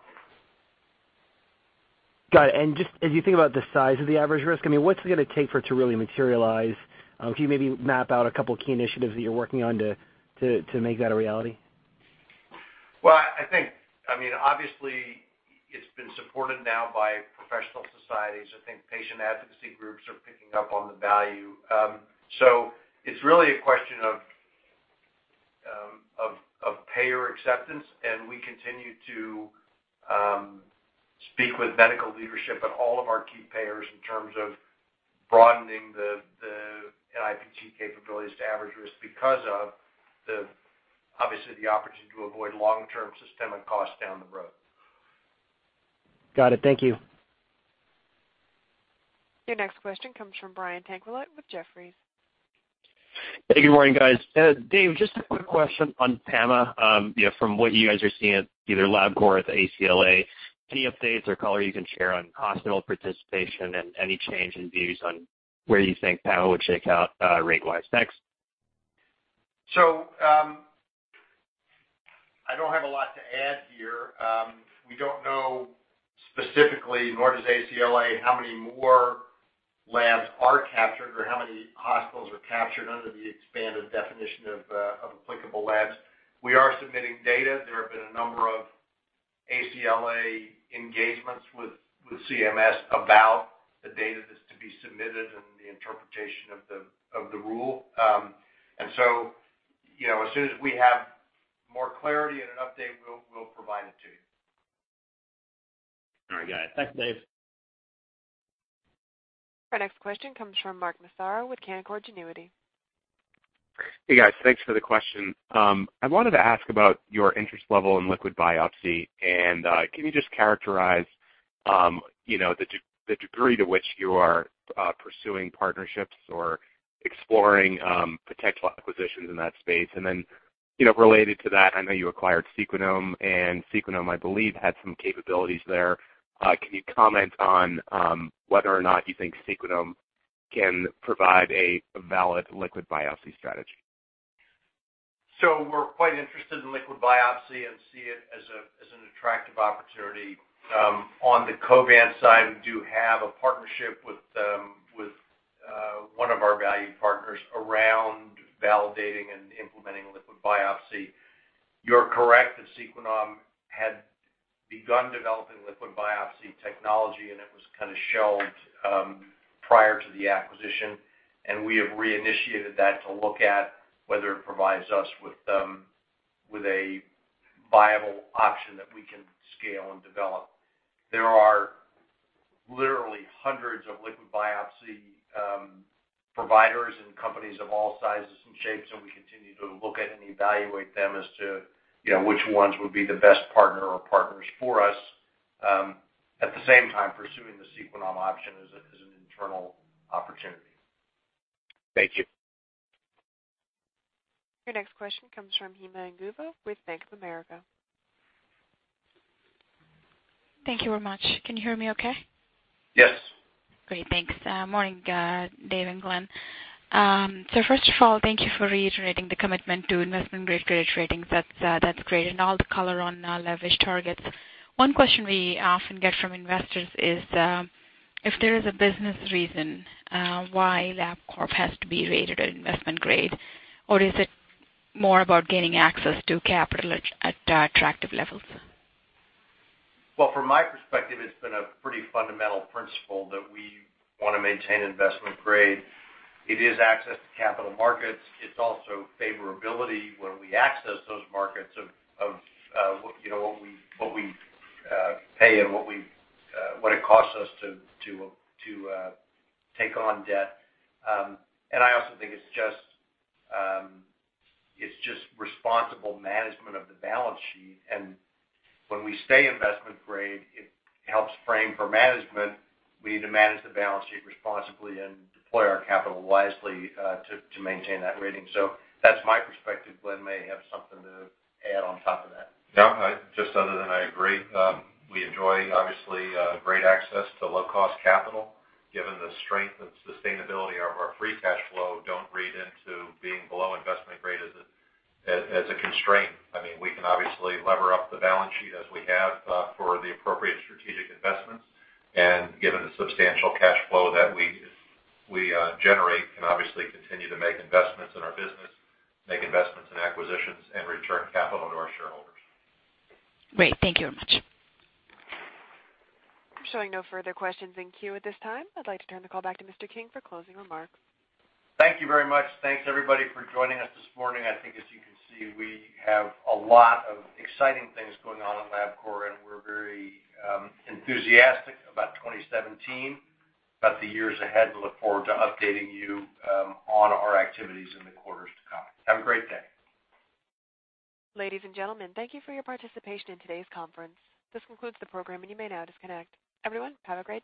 Got it. And just as you think about the size of the average risk, I mean, what's it going to take for it to really materialize? Can you maybe map out a couple of key initiatives that you're working on to make that a reality? I think, I mean, obviously, it's been supported now by professional societies. I think patient advocacy groups are picking up on the value. It's really a question of payer acceptance. We continue to speak with medical leadership and all of our key payers in terms of broadening the NIPT capabilities to average risk because of, obviously, the opportunity to avoid long-term systemic costs down the road. Got it. Thank you. Your next question comes from Brian Tanquilut with Jefferies. Hey, good morning, guys. Dave, just a quick question on PAMA from what you guys are seeing at either Labcorp or the ACLA. Any updates or color you can share on hospital participation and any change in views on where you think PAMA would shake out rate-wise? Thanks. I don't have a lot to add here. We don't know specifically, nor does ACLA, how many more labs are captured or how many hospitals are captured under the expanded definition of applicable labs. We are submitting data. There have been a number of ACLA engagements with CMS about the data that's to be submitted and the interpretation of the rule. As soon as we have more clarity and an update, we'll provide it to you. All right. Got it. Thanks, Dave. Our next question comes from Mark Massaro with Canaccord Genuity. Hey, guys. Thanks for the question. I wanted to ask about your interest level in liquid biopsy. Can you just characterize the degree to which you are pursuing partnerships or exploring potential acquisitions in that space? Related to that, I know you acquired Sequenom, and Sequenom, I believe, had some capabilities there. Can you comment on whether or not you think Sequenom can provide a valid liquid biopsy strategy? We are quite interested in liquid biopsy and see it as an attractive opportunity. On the Covance side, we do have a partnership with one of our valued partners around validating and implementing liquid biopsy. You are correct that Sequenom had begun developing liquid biopsy technology, and it was kind of shelved prior to the acquisition. We have reinitiated that to look at whether it provides us with a viable option that we can scale and develop. There are literally hundreds of liquid biopsy providers and companies of all sizes and shapes, and we continue to look at and evaluate them as to which ones would be the best partner or partners for us. At the same time, pursuing the Sequenom option is an internal opportunity. Thank you. Your next question comes from Hima Inguva with Bank of America. Thank you very much. Can you hear me okay? Yes. Great. Thanks. Morning, Dave and Glenn. First of all, thank you for reiterating the commitment to investment-grade credit ratings. That's great. All the color on leverage targets. One question we often get from investors is if there is a business reason why Labcorp has to be rated at investment grade, or is it more about gaining access to capital at attractive levels? From my perspective, it's been a pretty fundamental principle that we want to maintain investment grade. It is access to capital markets. It's also favorability when we access those markets of what we pay and what it costs us to take on debt. I also think it's just responsible management of the balance sheet. When we stay investment grade, it helps frame for management. We need to manage the balance sheet responsibly and deploy our capital wisely to maintain that rating. That's my perspective. Glenn may have something to add on top of that. No, just other than I agree. We enjoy, obviously, great access to low-cost capital. Given the strength and sustainability of our free cash flow, don't read into being below investment grade as a constraint. I mean, we can obviously lever up the balance sheet as we have for the appropriate strategic investments. Given the substantial cash flow that we generate, we can obviously continue to make investments in our business, make investments in acquisitions, and return capital to our shareholders. Great. Thank you very much. I'm showing no further questions in queue at this time. I'd like to turn the call back to Mr. King for closing remarks. Thank you very much. Thanks, everybody, for joining us this morning. I think, as you can see, we have a lot of exciting things going on at Labcorp, and we're very enthusiastic about 2017, about the years ahead, and look forward to updating you on our activities in the quarters to come. Have a great day. Ladies and gentlemen, thank you for your participation in today's conference. This concludes the program, and you may now disconnect. Everyone, have a great day.